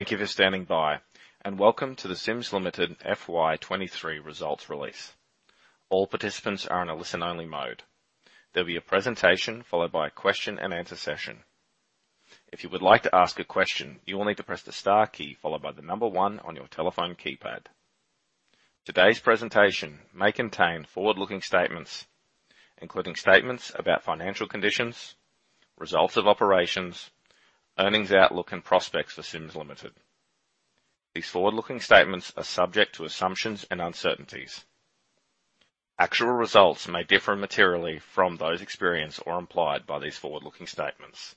Thank you for standing by, welcome to the Sims Limited FY23 results release. All participants are in a listen-only mode. There'll be a presentation followed by a question and answer session. If you would like to ask a question, you will need to press the star key followed by one on your telephone keypad. Today's presentation may contain forward-looking statements, including statements about financial conditions, results of operations, earnings outlook, and prospects for Sims Limited. These forward-looking statements are subject to assumptions and uncertainties. Actual results may differ materially from those experienced or implied by these forward-looking statements.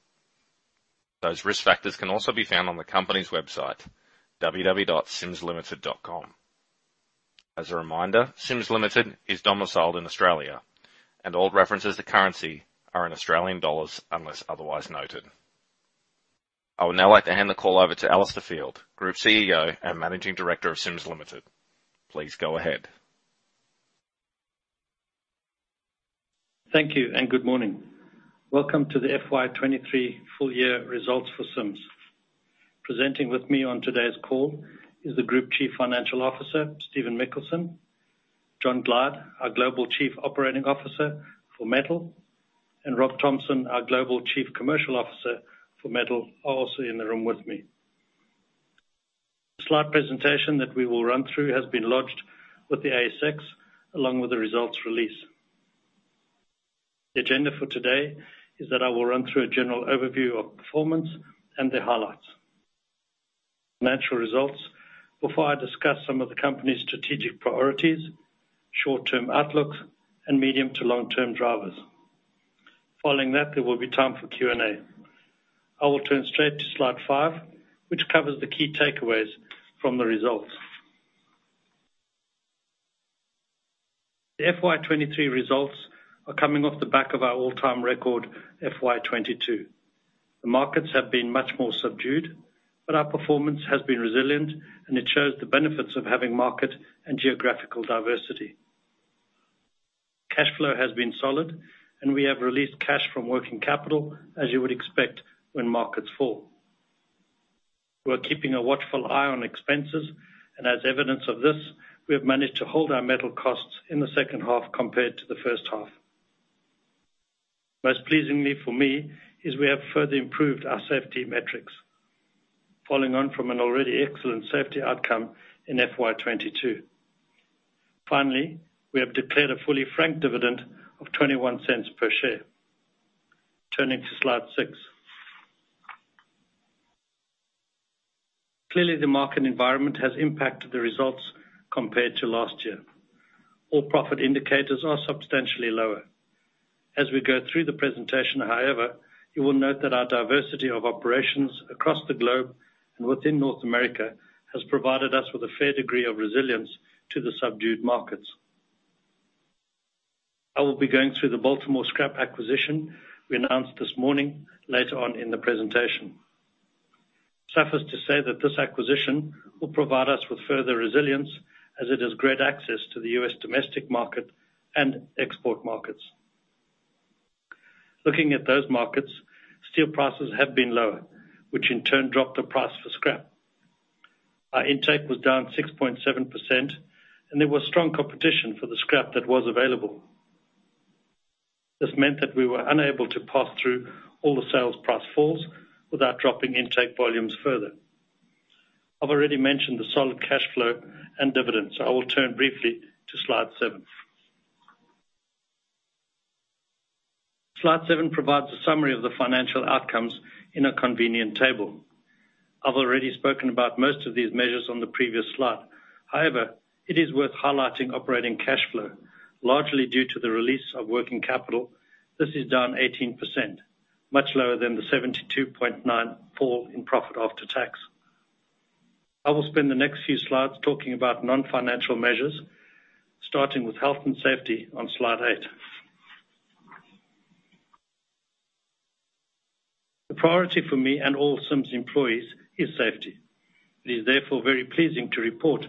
Those risk factors can also be found on the company's website, www.simslimited.com. As a reminder, Sims Limited is domiciled in Australia, all references to currency are in Australian dollars, unless otherwise noted. I would now like to hand the call over to Alistair Field, Group CEO and Managing Director of Sims Limited. Please go ahead. Thank you. Good morning. Welcome to the FY23 full year results for Sims. Presenting with me on today's call is the Group Chief Financial Officer, Stephen Mikkelsen, John Glyde, our Global Chief Operating Officer for Metal, and Rob Thompson, our Global Chief Commercial Officer for Metal, are also in the room with me. The slide presentation that we will run through has been lodged with the ASX, along with the results release. The agenda for today is that I will run through a general overview of performance and the highlights, natural results, before I discuss some of the company's strategic priorities, short-term outlooks, and medium to long-term drivers. Following that, there will be time for Q&A. I will turn straight to slide five, which covers the key takeaways from the results. The FY23 results are coming off the back of our all-time record, FY22. The markets have been much more subdued, but our performance has been resilient, and it shows the benefits of having market and geographical diversity. Cash flow has been solid, and we have released cash from working capital, as you would expect when markets fall. We're keeping a watchful eye on expenses, and as evidence of this, we have managed to hold our metal costs in the second half compared to the first half. Most pleasingly for me, is we have further improved our safety metrics, following on from an already excellent safety outcome in FY22. Finally, we have declared a fully franked dividend of 0.21 per share. Turning to slide six. Clearly, the market environment has impacted the results compared to last year. All profit indicators are substantially lower. As we go through the presentation, however, you will note that our diversity of operations across the globe and within North America has provided us with a fair degree of resilience to the subdued markets. I will be going through the Baltimore Scrap acquisition we announced this morning later on in the presentation. Suffice to say that this acquisition will provide us with further resilience as it is great access to the U.S. domestic market and export markets. Looking at those markets, steel prices have been lower, which in turn dropped the price for scrap. Our intake was down 6.7%, and there was strong competition for the scrap that was available. This meant that we were unable to pass through all the sales price falls without dropping intake volumes further. I've already mentioned the solid cash flow and dividends. I will turn briefly to slide seven. Slide seven provides a summary of the financial outcomes in a convenient table. I've already spoken about most of these measures on the previous slide. However, it is worth highlighting operating cash flow. Largely due to the release of working capital, this is down 18%, much lower than the 72.9 fall in profit after tax. I will spend the next few slides talking about non-financial measures, starting with health and safety on slide eight. The priority for me and all Sims employees is safety. It is therefore very pleasing to report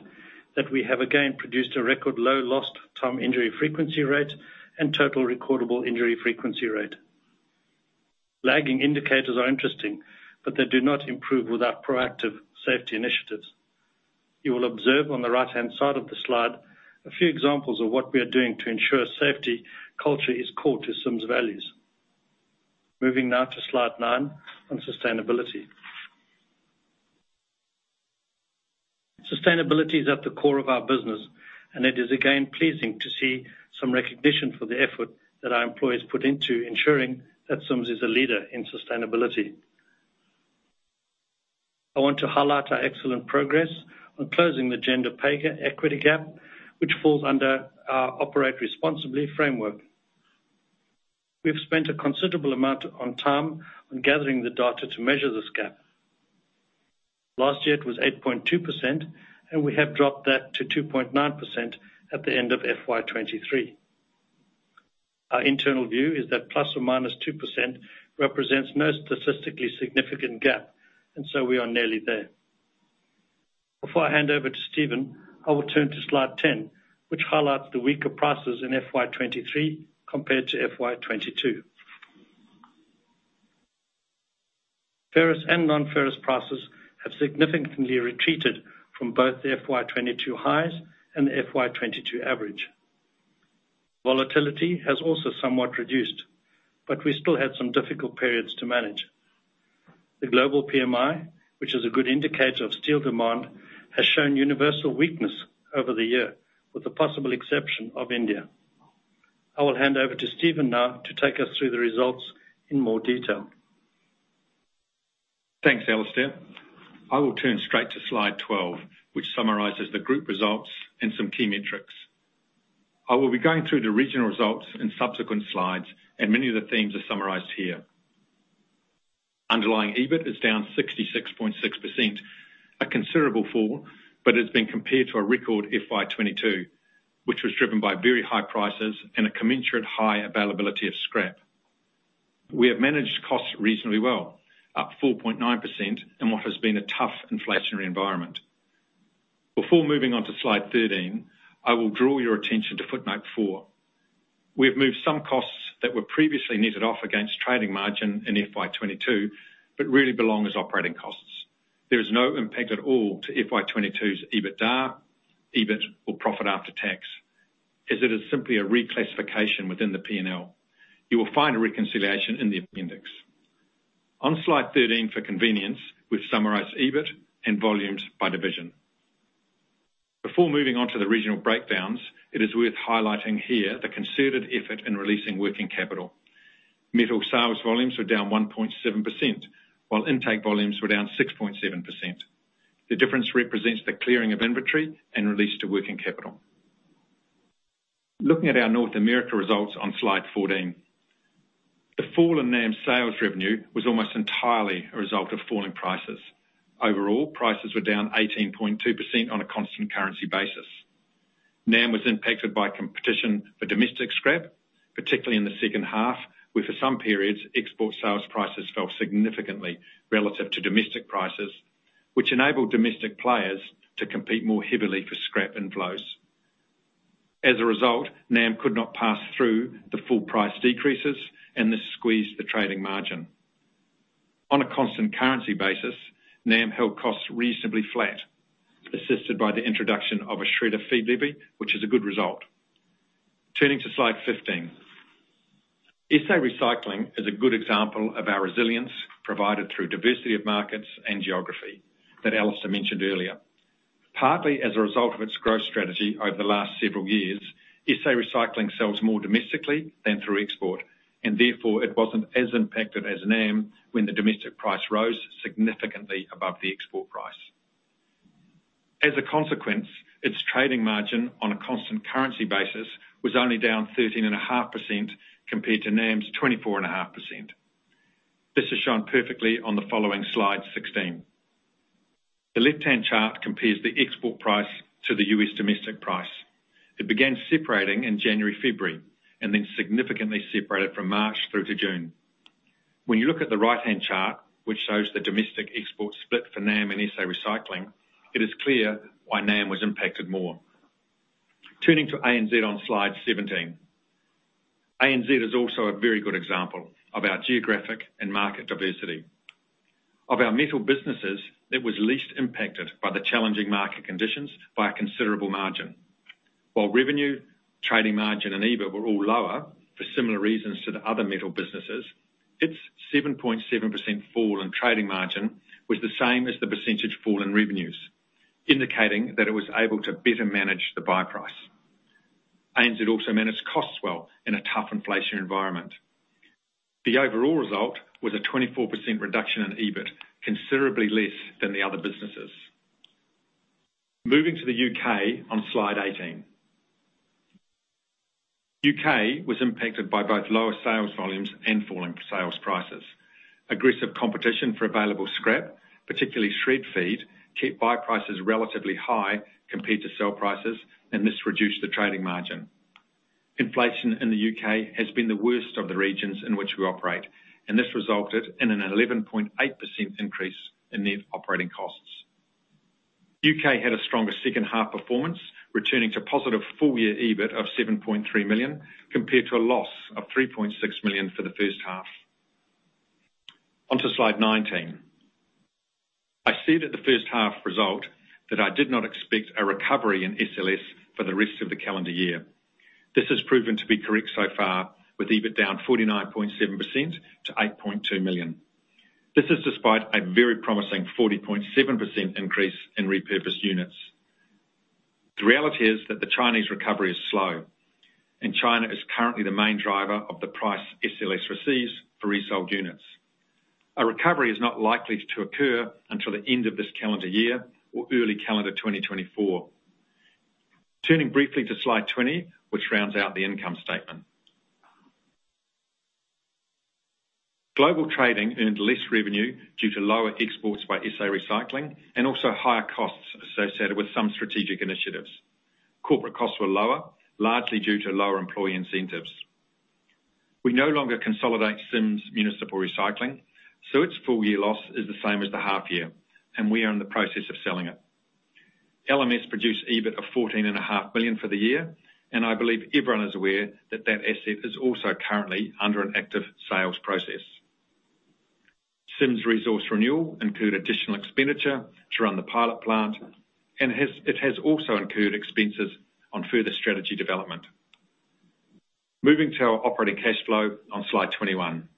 that we have again produced a record low Lost Time Injury Frequency Rate and Total Recordable Injury Frequency Rate. Lagging indicators are interesting, but they do not improve without proactive safety initiatives. You will observe on the right-hand side of the slide a few examples of what we are doing to ensure safety culture is core to Sims' values. Moving now to slide nine on sustainability. Sustainability is at the core of our business, and it is again, pleasing to see some recognition for the effort that our employees put into ensuring that Sims is a leader in sustainability. I want to highlight our excellent progress on closing the gender pay equity gap, which falls under our Operate Responsibly framework. We've spent a considerable amount on time on gathering the data to measure this gap. Last year, it was 8.2%, and we have dropped that to 2.9% at the end of FY23. Our internal view is that ±2% represents no statistically significant gap, and so we are nearly there. Before I hand over to Stephen, I will turn to slide 10, which highlights the weaker prices in FY23 compared to FY22. Ferrous and non-ferrous prices have significantly retreated from both the FY22 highs and the FY22 average. Volatility has also somewhat reduced, but we still had some difficult periods to manage. The global PMI, which is a good indicator of steel demand, has shown universal weakness over the year, with the possible exception of India. I will hand over to Stephen now to take us through the results in more detail. Thanks, Alistair. I will turn straight to slide 12, which summarizes the group results and some key metrics. I will be going through the regional results in subsequent slides, and many of the themes are summarized here. Underlying EBIT is down 66.6%, a considerable fall, but it's been compared to a record FY22, which was driven by very high prices and a commensurate high availability of scrap. We have managed costs reasonably well, up 4.9% in what has been a tough inflationary environment. Before moving on to slide 13, I will draw your attention to footnote four. We have moved some costs that were previously netted off against trading margin in FY22, but really belong as operating costs. There is no impact at all to FY22's EBITDA, EBIT, or profit after tax, as it is simply a reclassification within the P&L. You will find a reconciliation in the appendix. On Slide 13, for convenience, we've summarized EBIT and volumes by division. Before moving on to the regional breakdowns, it is worth highlighting here the concerted effort in releasing working capital. Metal sales volumes were down 1.7%, while intake volumes were down 6.7%. The difference represents the clearing of inventory and release to working capital. Looking at our North America results on Slide 14, the fall in NAM sales revenue was almost entirely a result of falling prices. Overall, prices were down 18.2% on a constant currency basis. NAM was impacted by competition for domestic scrap, particularly in the second half, where for some periods, export sales prices fell significantly relative to domestic prices, which enabled domestic players to compete more heavily for scrap inflows. As a result, NAM could not pass through the full price decreases, and this squeezed the trading margin. On a constant currency basis, NAM held costs reasonably flat, assisted by the introduction of a shredder fee levy, which is a good result. Turning to slide 15. SA Recycling is a good example of our resilience provided through diversity of markets and geography that Alistair mentioned earlier. Partly as a result of its growth strategy over the last several years, SA Recycling sells more domestically than through export, and therefore it wasn't as impacted as NAM when the domestic price rose significantly above the export price. As a consequence, its trading margin on a constant currency basis was only down 13.5% compared to NAM's 24.5%. This is shown perfectly on the following slide 16. The left-hand chart compares the export price to the US domestic price. It began separating in January, February, then significantly separated from March through to June. When you look at the right-hand chart, which shows the domestic export split for NAM and SA Recycling, it is clear why NAM was impacted more. Turning to ANZ on slide 17. ANZ is also a very good example of our geographic and market diversity. Of our metal businesses, it was least impacted by the challenging market conditions by a considerable margin. While revenue, trading margin, and EBIT were all lower for similar reasons to the other metal businesses, its 7.7% fall in trading margin was the same as the percentage fall in revenues, indicating that it was able to better manage the buy price. ANZ also managed costs well in a tough inflation environment. The overall result was a 24% reduction in EBIT, considerably less than the other businesses. Moving to the U.K. on slide 18. U.K. was impacted by both lower sales volumes and falling sales prices. Aggressive competition for available scrap, particularly shred feed, kept buy prices relatively high compared to sell prices. This reduced the trading margin. Inflation in the U.K. has been the worst of the regions in which we operate. This resulted in an 11.8% increase in net operating costs. U.K. had a stronger second half performance, returning to positive full-year EBIT of 7.3 million, compared to a loss of 3.6 million for the first half. On to slide 19. I said at the first half result that I did not expect a recovery in SLS for the rest of the calendar year. This has proven to be correct so far, with EBIT down 49.7% to $8.2 million. This is despite a very promising 40.7% increase in repurposed units. The reality is that the Chinese recovery is slow, China is currently the main driver of the price SLS receives for resold units. A recovery is not likely to occur until the end of this calendar year or early calendar 2024. Turning briefly to slide 20, which rounds out the income statement. Global Trading earned less revenue due to lower exports by SA Recycling and also higher costs associated with some strategic initiatives. Corporate costs were lower, largely due to lower employee incentives. We no longer consolidate Sims Municipal Recycling, its full year loss is the same as the half year, we are in the process of selling it. LMS produced EBIT of $14.5 billion for the year. I believe everyone is aware that that asset is also currently under an active sales process. Sims Resource Renewal include additional expenditure to run the pilot plant. It has also incurred expenses on further strategy development. Moving to our operating cash flow on slide 21.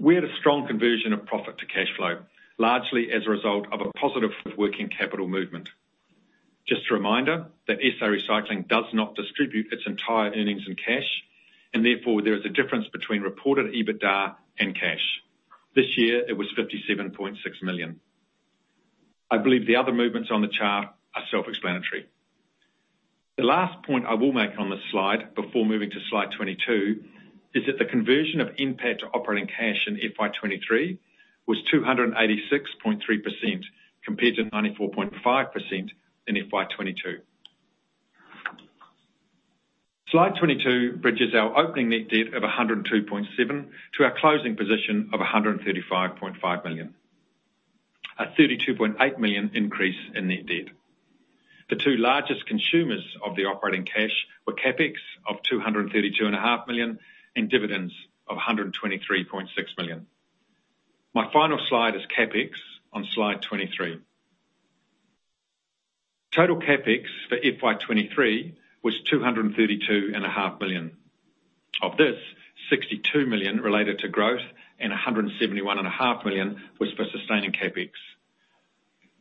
We had a strong conversion of profit to cash flow, largely as a result of a positive working capital movement. Just a reminder that SA Recycling does not distribute its entire earnings in cash, therefore, there is a difference between reported EBITDA and cash. This year, it was $57.6 million. I believe the other movements on the chart are self-explanatory. The last point I will make on this slide before moving to slide 22, is that the conversion of NPAT to operating cash in FY23 was 286.3%, compared to 94.5% in FY22. Slide 22 bridges our opening net debt of $102.7 million to our closing position of $135.5 million, a $32.8 million increase in net debt. The two largest consumers of the operating cash were CapEx of $232.5 million, and dividends of $123.6 million. My final slide is CapEx on slide 23. Total CapEx for FY23 was $232.5 billion. Of this, $62 million related to growth, and $171.5 million was for sustaining CapEx.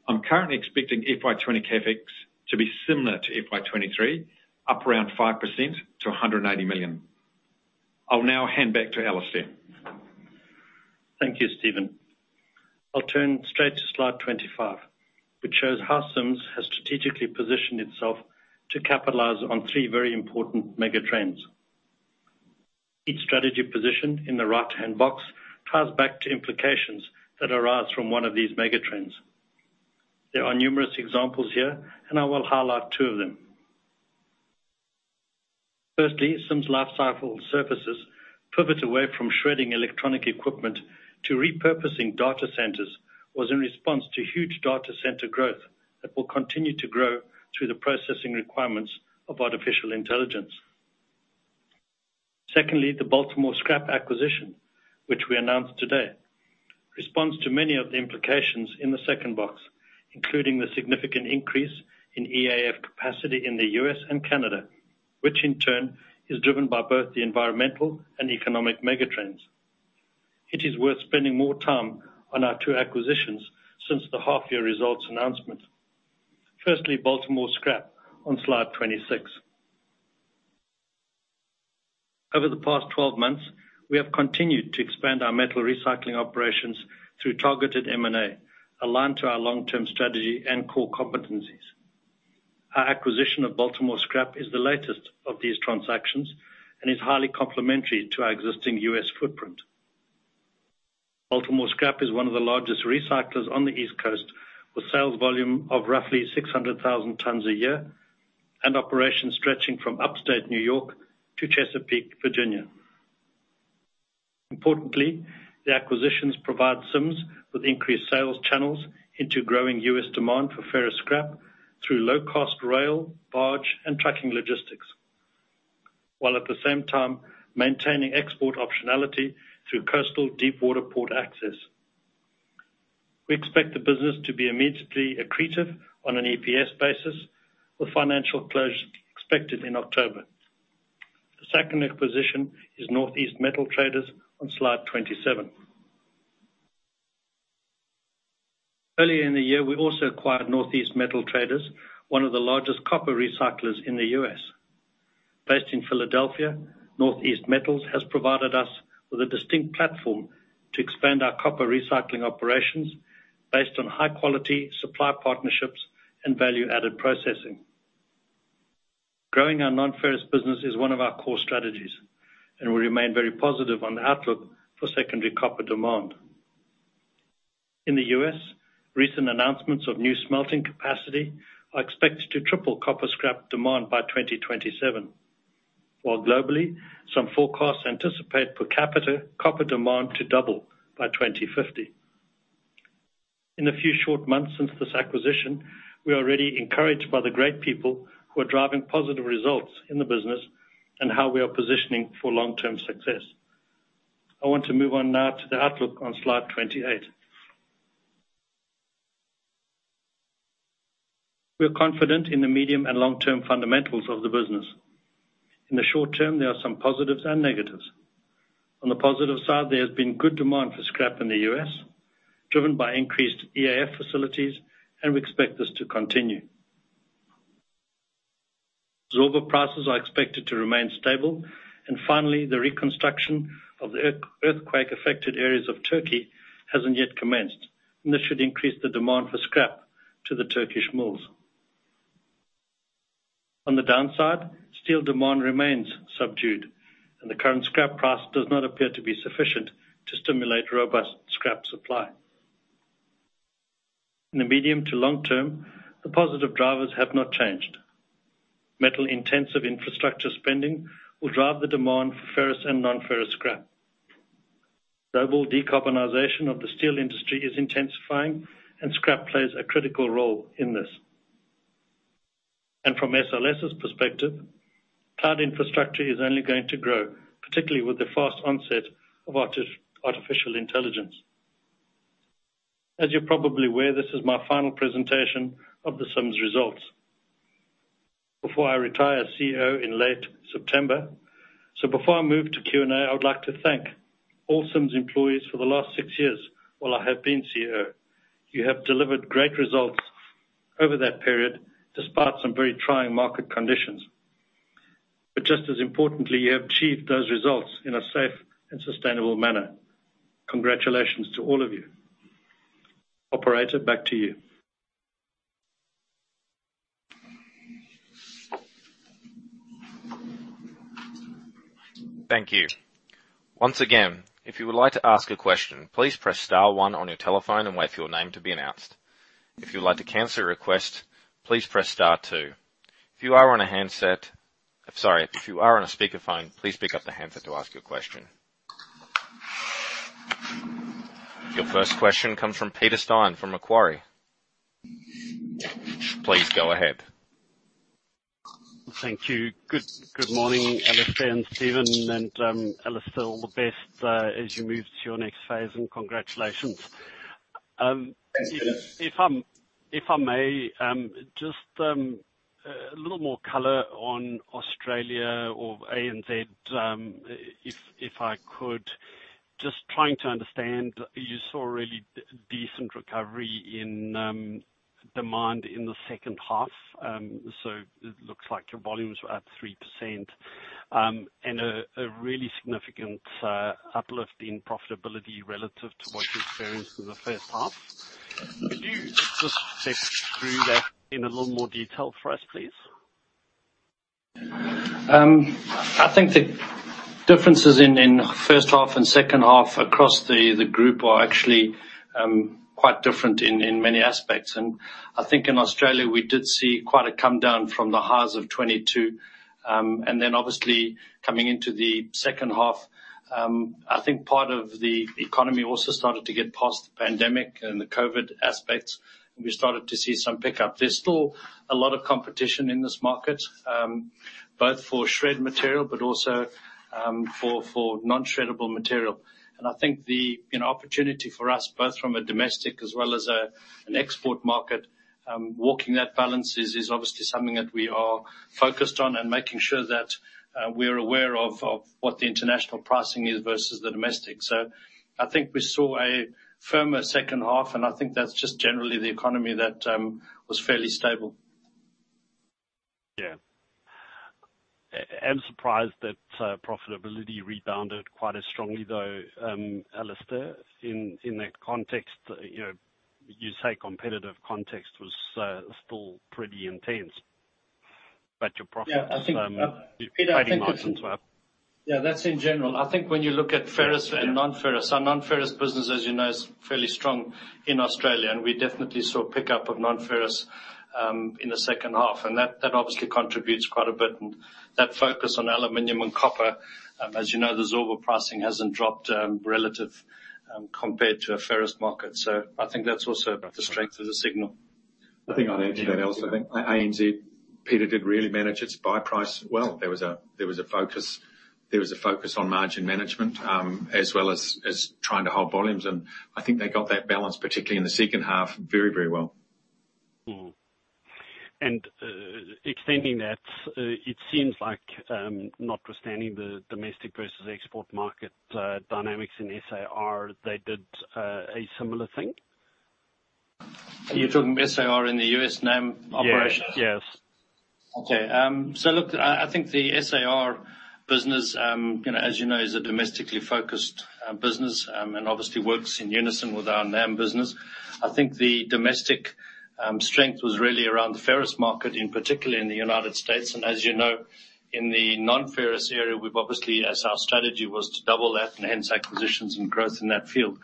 I'm currently expecting FY20 CapEx to be similar to FY23, up around 5% to 180 million. I'll now hand back to Alistair. Thank you, Stephen. I'll turn straight to slide 25, which shows how Sims has strategically positioned itself to capitalize on three very important mega trends. Each strategy position in the right-hand box ties back to implications that arise from one of these mega trends. There are numerous examples here. I will highlight two of them. Firstly, Sims Lifecycle Services pivot away from shredding electronic equipment to repurposing data centers, was in response to huge data center growth that will continue to grow through the processing requirements of Artificial Intelligence. Secondly, the Baltimore Scrap acquisition, which we announced today, responds to many of the implications in the second box, including the significant increase in EAF capacity in the U.S. and Canada, which in turn is driven by both the environmental and economic megatrends. It is worth spending more time on our two acquisitions since the half year results announcement. Firstly, Baltimore Scrap on slide 26. Over the past 12 months, we have continued to expand our metal recycling operations through targeted M&A, aligned to our long-term strategy and core competencies. Our acquisition of Baltimore Scrap is the latest of these transactions, is highly complementary to our existing US footprint. Baltimore Scrap is one of the largest recyclers on the East Coast, with sales volume of roughly 600,000 tons a year and operations stretching from upstate New York to Chesapeake, Virginia. Importantly, the acquisitions provide Sims with increased sales channels into growing US demand for ferrous scrap through low-cost rail, barge, and trucking logistics, while at the same time maintaining export optionality through coastal deepwater port access. We expect the business to be immediately accretive on an EPS basis, with financial closure expected in October. The second acquisition is Northeast Metal Traders on slide 27. Earlier in the year, we also acquired Northeast Metal Traders, one of the largest copper recyclers in the US. Based in Philadelphia, Northeast Metal has provided us with a distinct platform to expand our copper recycling operations based on high quality supply partnerships and value-added processing. Growing our non-ferrous business is one of our core strategies, and we remain very positive on the outlook for secondary copper demand. In the US, recent announcements of new smelting capacity are expected to triple copper scrap demand by 2027, while globally, some forecasts anticipate per capita copper demand to double by 2050. In a few short months since this acquisition, we are already encouraged by the great people who are driving positive results in the business and how we are positioning for long-term success. I want to move on now to the outlook on slide 28. We are confident in the medium and long-term fundamentals of the business. In the short term, there are some positives and negatives. On the positive side, there has been good demand for scrap in the U.S., driven by increased EAF facilities, and we expect this to continue. Zorba prices are expected to remain stable, and finally, the reconstruction of the earthquake-affected areas of Turkey hasn't yet commenced, and this should increase the demand for scrap to the Turkish mills. On the downside, steel demand remains subdued, and the current scrap price does not appear to be sufficient to stimulate robust scrap supply. In the medium to long term, the positive drivers have not changed. Metal-intensive infrastructure spending will drive the demand for ferrous and non-ferrous scrap. Global decarbonization of the steel industry is intensifying, scrap plays a critical role in this. From SLS's perspective, cloud infrastructure is only going to grow, particularly with the fast onset of Artificial Intelligence. As you're probably aware, this is my final presentation of the Sims results before I retire as CEO in late September. Before I move to Q&A, I would like to thank all Sims employees for the last six years while I have been CEO. You have delivered great results over that period, despite some very trying market conditions. Just as importantly, you have achieved those results in a safe and sustainable manner. Congratulations to all of you. Operator, back to you. Thank you. Once again, if you would like to ask a question, please press star one on your telephone and wait for your name to be announced. If you'd like to cancel a request, please press star two. If you are on a handset-- I'm sorry. If you are on a speakerphone, please pick up the handset to ask your question. Your first question comes from Peter Steyn, from Macquarie. Please go ahead. Thank you. Good, good morning, Alistair and Stephen. Alistair, all the best, as you move to your next phase, and congratulations. If I'm, if I may, just a little more color on Australia or ANZ, if I could, just trying to understand, you saw a really decent recovery in demand in the second half. It looks like your volumes were up 3%, and a really significant uplift in profitability relative to what you experienced in the first half. Could you just take through that in a little more detail for us, please? I think the differences in, in first half and second half across the group are actually quite different in many aspects. I think in Australia, we did see quite a come down from the highs of 2022. Then obviously, coming into the second half, I think part of the economy also started to get past the pandemic and the COVID aspects, and we started to see some pickup. There's still a lot of competition in this market, both for shred material but also, for, for non-shreddable material. I think the, you know, opportunity for us, both from a domestic as well as an export market, walking that balance is obviously something that we are focused on and making sure that, we are aware of, of what the international pricing is versus the domestic. I think we saw a firmer second half, and I think that's just generally the economy that was fairly stable. Yeah. I'm surprised that profitability rebounded quite as strongly, though, Alistair, in, in that context. You know, you say competitive context was still pretty intense, but your profits- Yeah, I think. Pretty nice and to have. Yeah, that's in general. I think when you look at ferrous and non-ferrous, our non-ferrous business, as you know, is fairly strong in Australia. We definitely saw a pickup of non-ferrous in the second half. That, that obviously contributes quite a bit. That focus on aluminum and copper, as you know, the Zorba pricing hasn't dropped relative compared to a ferrous market. I think that's also the strength of the signal. I think I'd add to that, Alistair. I think ANZ, Peter, did really manage its buy price well. There was a, there was a focus, there was a focus on margin management, as well as, as trying to hold volumes. I think they got that balance, particularly in the second half, very, very well. Extending that, it seems like, notwithstanding the domestic versus export market dynamics in SAR, they did a similar thing? You're talking SAR in the US NAM operation? Yes. Yes. Okay, so look, I, I think the SAR business, you know, as you know, is a domestically focused business, and obviously works in unison with our NAM business. I think the domestic strength was really around the ferrous market, in particular in the United States. As you know, in the non-ferrous area, we've obviously, as our strategy was to double that and hence acquisitions and growth in that field.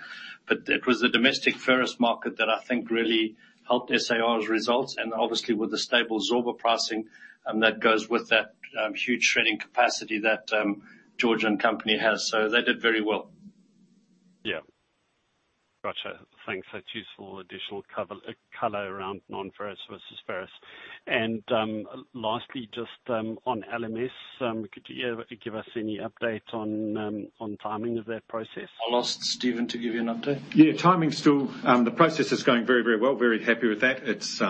It was the domestic ferrous market that I think really helped SAR's results, and obviously with the stable Zorba pricing, that goes with that, huge shredding capacity that George and company has. They did very well. Yeah. Gotcha. Thanks. That's useful additional cover, color around non-ferrous versus ferrous. Lastly, just on LMS, could you give us any update on timing of that process? I'll ask Stephen to give you an update. Yeah, timing still, the process is going very, very well. Very happy with that. It's,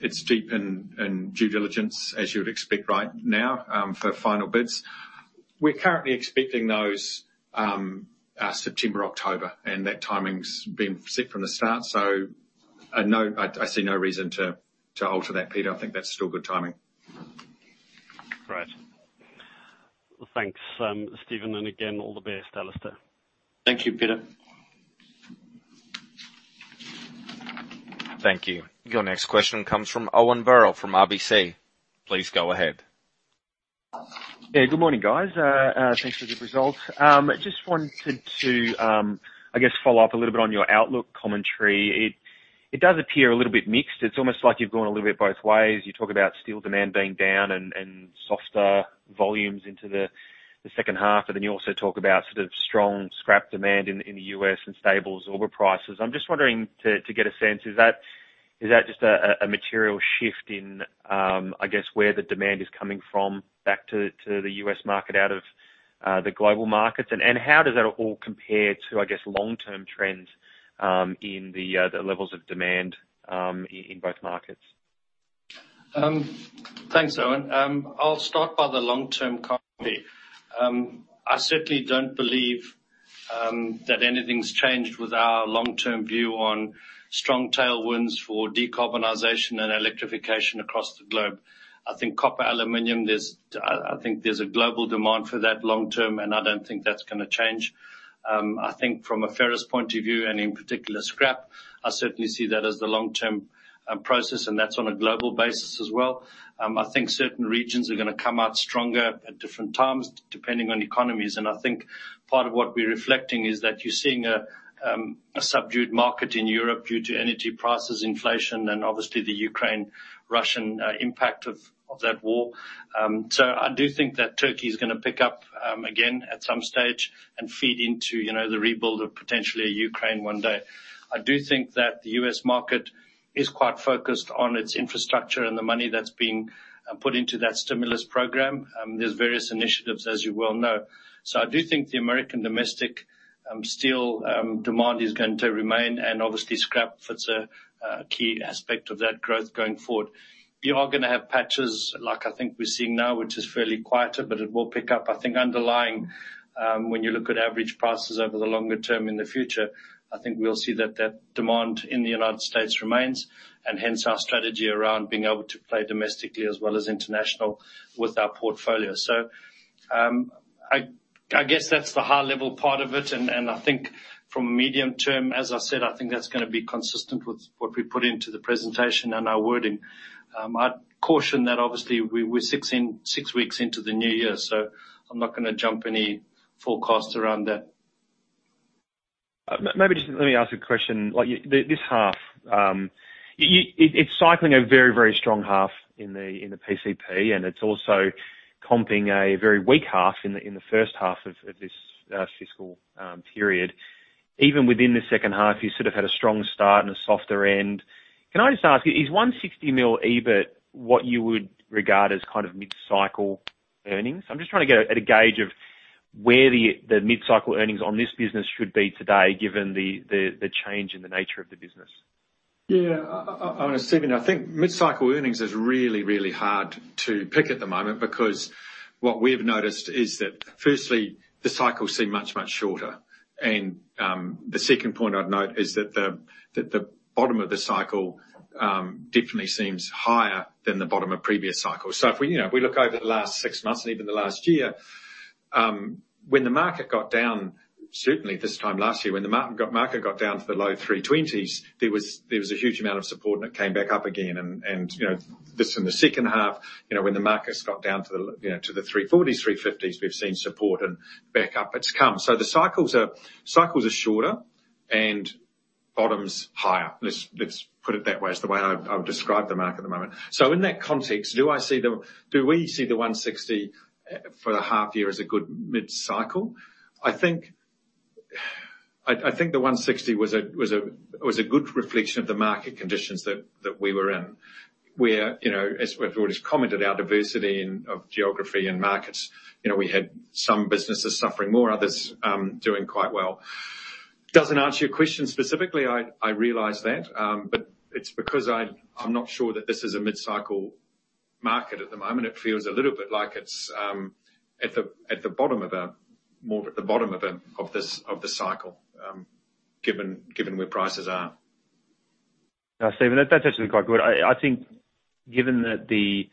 it's deep in, in due diligence, as you would expect right now, for final bids. We're currently expecting those, September, October, and that timing's been set from the start, so I see no reason to alter that, Peter. I think that's still good timing. Great. Well, thanks, Stephen, again, all the best, Alistair. Thank you, Peter. Thank you. Your next question comes from Owen Birrell, from RBC. Please go ahead. Yeah, good morning, guys. Thanks for the results. Just wanted to, I guess, follow up a little bit on your outlook commentary. It does appear a little bit mixed. It's almost like you've gone a little bit both ways. You talk about steel demand being down and softer volumes into the second half, but then you also talk about sort of strong scrap demand in the U.S. and stables over prices. I'm just wondering to get a sense, is that, is that just a material shift in, I guess, where the demand is coming from, back to the U.S. market out of the global markets? How does that all compare to, I guess long-term trends, in the levels of demand, in both markets? Thanks, Owen. I'll start by the long-term copy. I certainly don't believe that anything's changed with our long-term view on strong tailwinds for decarbonization and electrification across the globe. I think copper, aluminum, there's, I think there's a global demand for that long term, and I don't think that's gonna change. I think from a ferrous point of view, and in particular, scrap, I certainly see that as the long-term process, and that's on a global basis as well. I think certain regions are gonna come out stronger at different times, depending on economies. I think part of what we're reflecting is that you're seeing a subdued market in Europe due to energy prices, inflation, and obviously the Ukraine, Russian impact of that war. I do think that Turkey is going to pick up again at some stage and feed into, you know, the rebuild of potentially a Ukraine one day. I do think that the US market is quite focused on its infrastructure and the money that's being put into that stimulus program. There's various initiatives, as you well know. I do think the American domestic steel demand is going to remain, and obviously scrap fits a key aspect of that growth going forward. We are going to have patches like I think we're seeing now, which is fairly quieter, but it will pick up. I think underlying, when you look at average prices over the longer term in the future, I think we'll see that that demand in the United States remains, and hence our strategy around being able to play domestically as well as international with our portfolio. I, I guess that's the high level part of it. I think from a medium term, as I said, I think that's gonna be consistent with what we put into the presentation and our wording. I'd caution that obviously we're six weeks into the new year, so I'm not gonna jump any forecasts around that. Maybe just let me ask you a question. Like, this, this half, it's cycling a very, very strong half in the, in the PCP, and it's also comping a very weak half in the, in the first half of this fiscal period. Even within the second half, you sort of had a strong start and a softer end. Can I just ask you, is 160 million EBIT what you would regard as kind of mid-cycle earnings? I'm just trying to get at a gauge of where the mid-cycle earnings on this business should be today, given the change in the nature of the business. Yeah. I, I, Owen and Stephen, I think mid-cycle earnings is really, really hard to pick at the moment, because what we've noticed is that firstly, the cycles seem much, much shorter. The second point I'd note is that the, that the bottom of the cycle definitely seems higher than the bottom of previous cycles. If we, you know, if we look over the last six months and even the last year, when the market got down, certainly this time last year, when the market got down to the low 320s, there was, there was a huge amount of support, and it came back up again. You know, this in the second half, you know, when the markets got down to the, you know, to the 340s, 350s, we've seen support and back up it's come. The cycles are, cycles are shorter and bottoms higher. Let's, let's put it that way, is the way I, I would describe the market at the moment. In that context, do we see the 160 for the half year as a good mid-cycle? I think, I, I think the 160 was a, was a, was a good reflection of the market conditions that, that we were in. We're, you know, as we've already commented, our diversity in, of geography and markets, you know, we had some businesses suffering more, others, doing quite well. Doesn't answer your question specifically, I, I realize that, but it's because I, I'm not sure that this is a mid-cycle market at the moment. It feels a little bit like it's at the, at the bottom of a, more at the bottom of a, of this, of the cycle, given, given where prices are. Yeah, Stephen, that's actually quite good. I think given that the,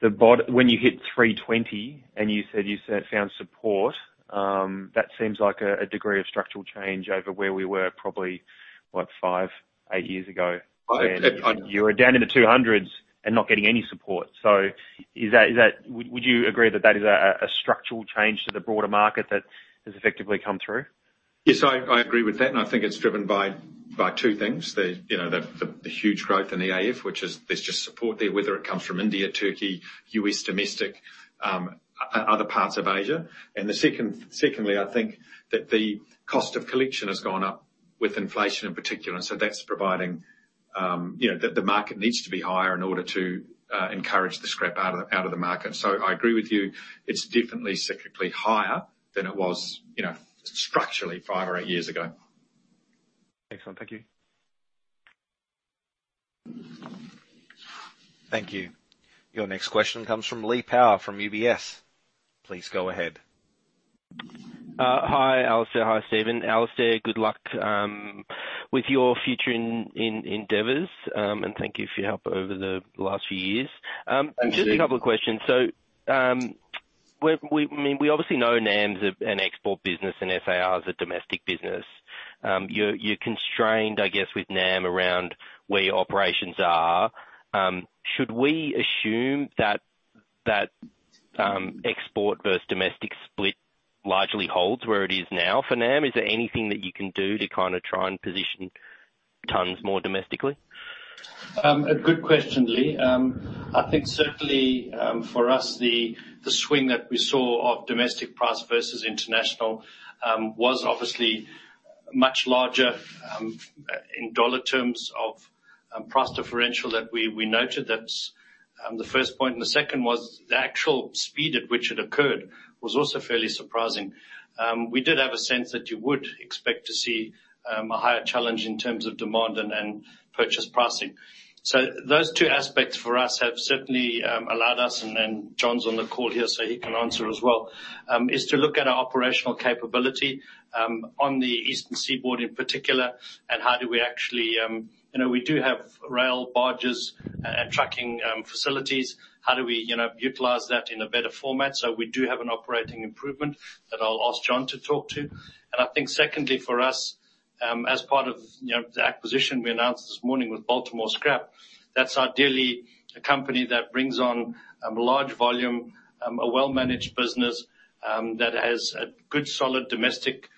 the when you hit 320 and you said you found support, that seems like a, a degree of structural change over where we were probably, what? Five, eight years ago. I, I- You were down in the 200s and not getting any support. Is that, is that would you agree that that is a, a, structural change to the broader market that has effectively come through? Yes, I, I agree with that, and I think it's driven by two things. The, you know, the huge growth in the EAF, which is, there's just support there, whether it comes from India, Turkey, U.S., domestic, other parts of Asia. Secondly, I think that the cost of collection has gone up with inflation in particular, and so that's providing, you know, the market needs to be higher in order to encourage the scrap out of, out of the market. I agree with you. It's definitely cyclically higher than it was, you know, structurally, five or eight years ago. Excellent. Thank you. Thank you. Your next question comes from Lee Power, from UBS. Please go ahead. Hi, Alistair. Hi, Stephen. Alistair, good luck with your future in, in, endeavors, and thank you for your help over the last few years. Thank you. Just a couple of questions. We, we, I mean, we obviously know NAM's an export business and SAR is a domestic business. You're, you're constrained, I guess, with NAM around where your operations are. Should we assume that, that export versus domestic split largely holds where it is now for NAM? Is there anything that you can do to kind of try and position tons more domestically? A good question, Lee. I think certainly, for us, the, the swing that we saw of domestic price versus international, was obviously much larger, in dollar terms of, price differential that we, we noted. That's, the first point, and the second was the actual speed at which it occurred was also fairly surprising. We did have a sense that you would expect to see, a higher challenge in terms of demand and then purchase pricing. Those two aspects for us have certainly, allowed us, and then John's on the call here, so he can answer as well, is to look at our operational capability, on the Eastern Seaboard in particular, and how do we actually... You know, we do have rail barges a-and tracking, facilities. How do we, you know, utilize that in a better format so we do have an operating improvement? That I'll ask John to talk to. I think secondly, for us, as part of, you know, the acquisition we announced this morning with Baltimore Scrap, that's ideally a company that brings on, large volume, a well-managed business, that has a good, solid domestic,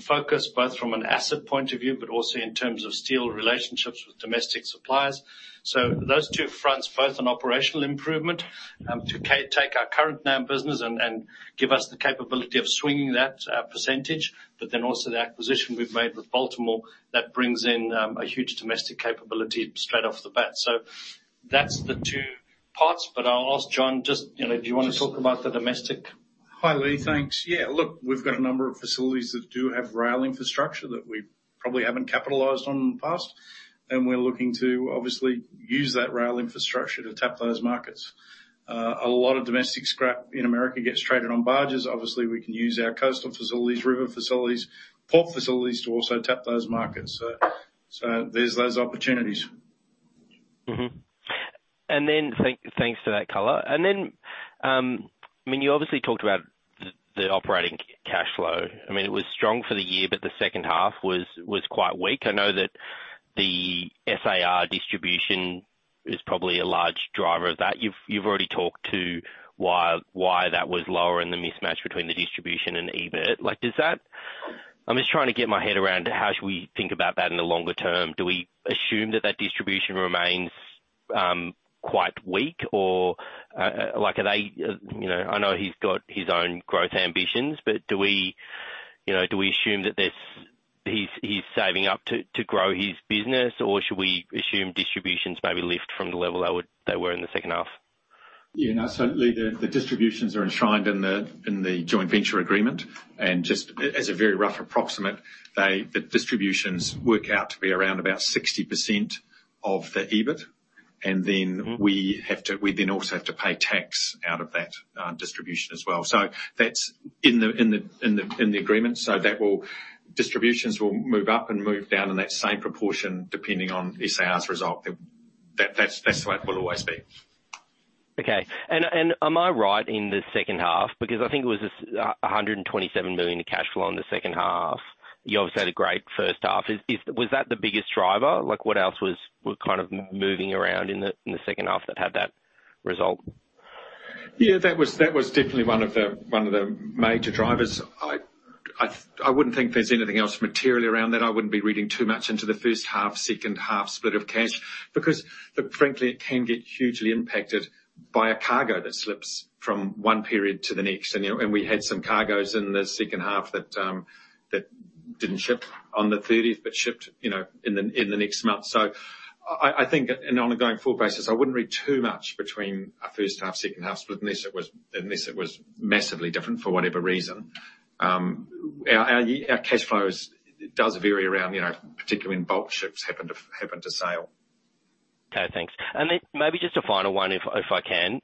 focus, both from an asset point of view, but also in terms of steel relationships with domestic suppliers. Those two fronts, both on operational improvement, to take our current NAM business and give us the capability of swinging that, percentage, then also the acquisition we've made with Baltimore, that brings in, a huge domestic capability straight off the bat. That's the two parts, but I'll ask John, just, you know, do you want to talk about the domestic? Hi, Lee. Thanks. Yeah, look, we've got a number of facilities that do have rail infrastructure that we probably haven't capitalized on in the past. We're looking to obviously use that rail infrastructure to tap those markets. A lot of domestic scrap in America gets traded on barges. Obviously, we can use our coastal facilities, river facilities, port facilities to also tap those markets. So there's those opportunities. Mm-hmm. Then, thank-thanks for that color. Then, I mean, you obviously talked about the, the operating c-cash flow. I mean, it was strong for the year, but the second half was, was quite weak. I know that the SAR distribution is probably a large driver of that. You've, you've already talked to why, why that was lower than the mismatch between the distribution and EBIT. Like, does that... I'm just trying to get my head around, how should we think about that in the longer term? Do we assume that that distribution remains, quite weak? Like, are they, you know, I know he's got his own growth ambitions, but do we, you know, do we assume that this, he's, he's saving up to, to grow his business, or should we assume distributions maybe lift from the level they were, they were in the second half? Yeah, no, certainly the distributions are enshrined in the joint venture agreement, and just as a very rough approximate, the distributions work out to be around about 60% of the EBIT. Then we then also have to pay tax out of that distribution as well. That's in the agreement, so that will. Distributions will move up and move down in that same proportion, depending on SAR's result. That's the way it will always be. Okay. Am I right in the second half, because I think it was 127 million in cash flow in the second half? You obviously had a great first half. Was that the biggest driver? Like, what else was, was kind of moving around in the second half that had that result? Yeah, that was definitely one of the major drivers. I wouldn't think there's anything else materially around that. I wouldn't be reading too much into the first half, second half split of cash, because, look, frankly, it can get hugely impacted by a cargo that slips from one period to the next. You know, and we had some cargoes in the second half that didn't ship on the thirtieth, but shipped, you know, in the next month. I think, and on an ongoing full basis, I wouldn't read too much between a first half, second half split, unless it was massively different for whatever reason. Our cash flows does vary around, you know, particularly when bulk ships happen to sail. Okay, thanks. Then maybe just a final one, if, if I can: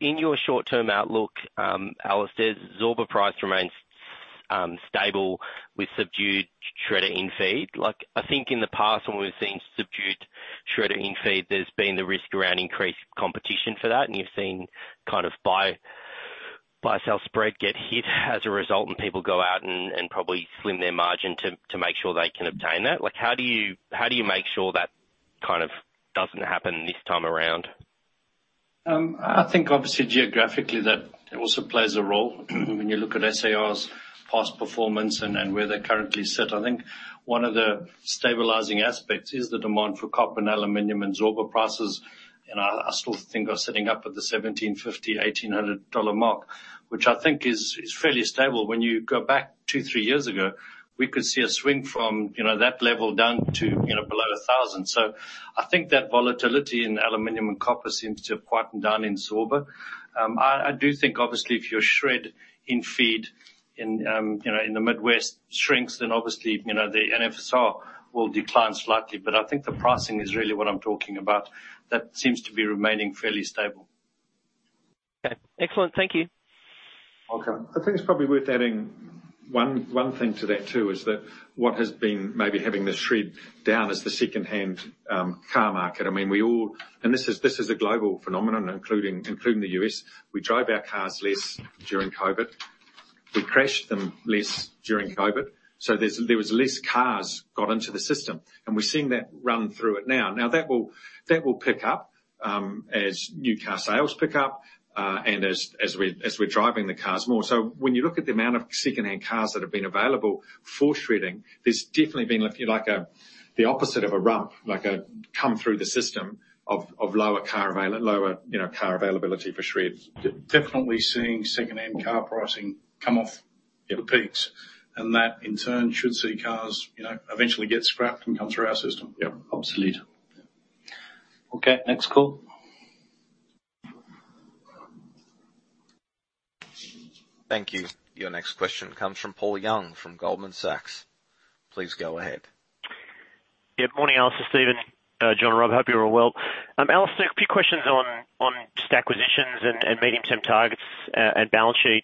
In your short-term outlook, Alistair, Zorba price remains stable with subdued shredder in-feed. Like, I think in the past when we've seen subdued shredder in-feed, there's been the risk around increased competition for that, and you've seen kind of buy-sell spread get hit as a result, and people go out and probably slim their margin to make sure they can obtain that. Like, how do you make sure that kind of doesn't happen this time around? I think obviously geographically, that it also plays a role. When you look at SAR's past performance and, and where they're currently sit, I think one of the stabilizing aspects is the demand for copper and aluminum and Zorba prices, and I, I still think are sitting up at the $1,750-$1,800 mark, which I think is, is fairly stable. When you go back two, three years ago, we could see a swing from, you know, that level down to, you know, below $1,000. I think that volatility in aluminum and copper seems to have quietened down in Zorba. I, I do think, obviously, if your shred in-feed in, you know, in the Midwest shrinks, then obviously, you know, the NFSR will decline slightly, but I think the pricing is really what I'm talking about. That seems to be remaining fairly stable. Okay. Excellent. Thank you. Welcome. I think it's probably worth adding one, one thing to that, too, is that what has been maybe having the shred down is the secondhand car market. I mean, we all... This is, this is a global phenomenon, including, including the U.S. We drive our cars less during COVID. We crashed them less during COVID, so there's, there was less cars got into the system, and we're seeing that run through it now. That will, that will pick up as new car sales pick up and as, as we, as we're driving the cars more. When you look at the amount of secondhand cars that have been available for shredding, there's definitely been like a, the opposite of a rump, like a come through the system of, of lower car avail-- lower, you know, car availability for shreds. Definitely seeing secondhand car pricing come off the peaks, and that in turn should see cars, you know, eventually get scrapped and come through our system. Yep, absolutely. Okay, next call. Thank you. Your next question comes from Paul Young, from Goldman Sachs. Please go ahead. Yeah, morning, Alistair, Stephen, John, and Rob. Hope you're all well. Alistair, a few questions on, on stack acquisitions and, and medium-term targets, and balance sheet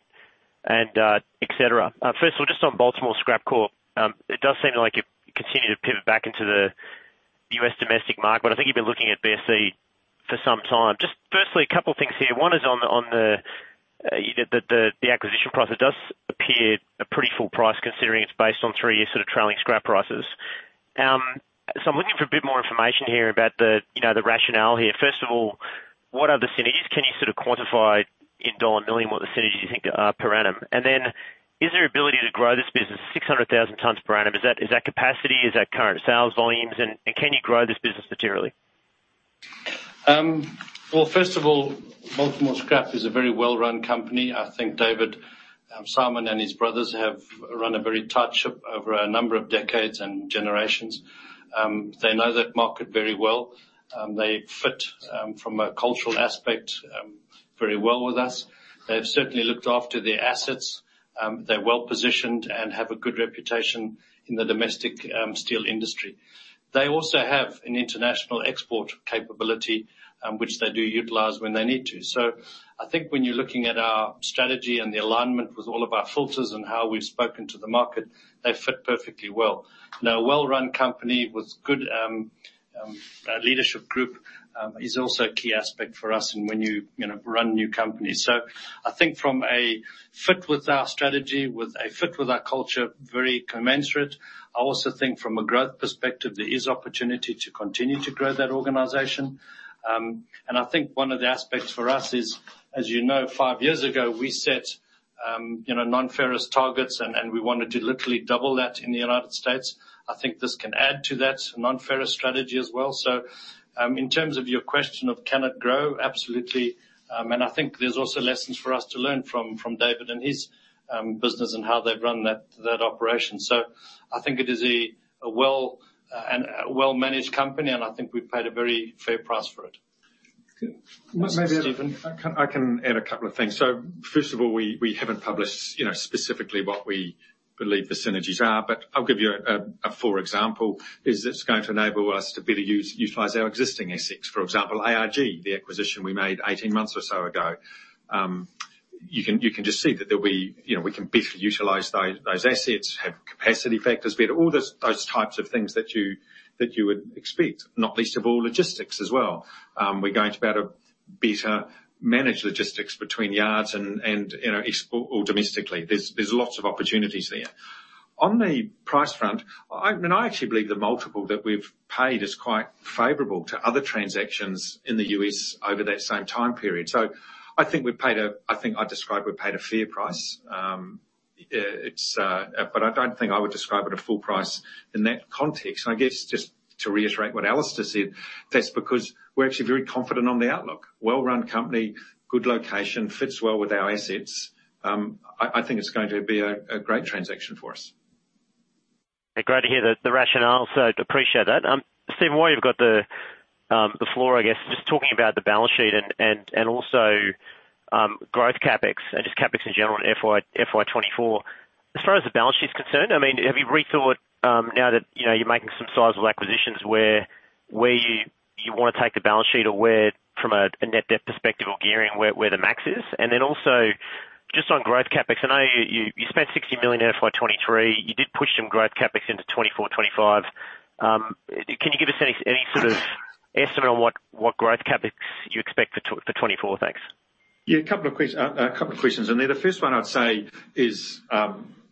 and, et cetera. First of all, just on Baltimore Scrap Corporation, it does seem like you've continued to pivot back into the US domestic market, but I think you've been looking at BSC for some time. Just firstly, a couple of things here. One is on the, on the, the, the, the acquisition price. It does appear a pretty full price, considering it's based on three years of trailing scrap prices. I'm looking for a bit more information here about the, you know, the rationale here. First of all, what are the synergies? Can you sort of quantify in $ million what the synergies you think are per annum? Then is there ability to grow this business 600,000 tons per annum? Is that capacity? Is that current sales volumes, and can you grow this business materially? Well, first of all, Baltimore Scrap is a very well-run company. I think David Simon, and his brothers have run a very tight ship over a number of decades and generations. They know that market very well. They fit, from a cultural aspect, very well with us. They've certainly looked after their assets. They're well-positioned and have a good reputation in the domestic steel industry. They also have an international export capability, which they do utilize when they need to. I think when you're looking at our strategy and the alignment with all of our filters and how we've spoken to the market, they fit perfectly well. Now, a well-run company with good leadership group, is also a key aspect for us and when you, you know, run new companies. I think from a fit with our strategy, with a fit with our culture, very commensurate. I also think from a growth perspective, there is opportunity to continue to grow that organization. I think one of the aspects for us is, as you know, five years ago, we set, you know, non-ferrous targets, and, and we wanted to literally double that in the United States. I think this can add to that non-ferrous strategy as well. In terms of your question of can it grow? Absolutely. I think there's also lessons for us to learn from, from David and his, business and how they've run that, that operation. I think it is a, a well, and a well-managed company, and I think we've paid a very fair price for it. Maybe I can, I can add a couple of things. First of all, we, we haven't published, you know, specifically what we believe the synergies are, but I'll give you a, a for example, is it's going to enable us to better utilize our existing assets. For example, ARG, the acquisition we made 18 months or so ago. You can, you can just see that there'll be. You know, we can better utilize those, those assets, have capacity factors, better all those, those types of things that you, that you would expect, not least of all, logistics as well. We're going to be able to better manage logistics between yards and, and, you know, or domestically. There's, there's lots of opportunities there. On the price front, I mean, I actually believe the multiple that we've paid is quite favorable to other transactions in the US over that same time period. I think I'd describe we paid a fair price. It's, but I don't think I would describe it a full price in that context. I guess just to reiterate what Alistair said, that's because we're actually very confident on the outlook. Well-run company, good location, fits well with our assets. I think it's going to be a great transaction for us. Great to hear the, the rationale, appreciate that. Stephen, while you've got the floor, I guess just talking about the balance sheet and also growth CapEx and just CapEx in general in FY24. As far as the balance sheet is concerned, I mean, have you rethought, now that, you know, you're making some sizable acquisitions where you want to take the balance sheet or where, from a net debt perspective or gearing, where the max is? Then also just on growth CapEx, I know you spent 60 million in FY23. You did push some growth CapEx into 2024, 2025. Can you give us any sort of estimate on what growth CapEx you expect for 2024? Thanks. Yeah, a couple of questions in there. The first one I'd say is,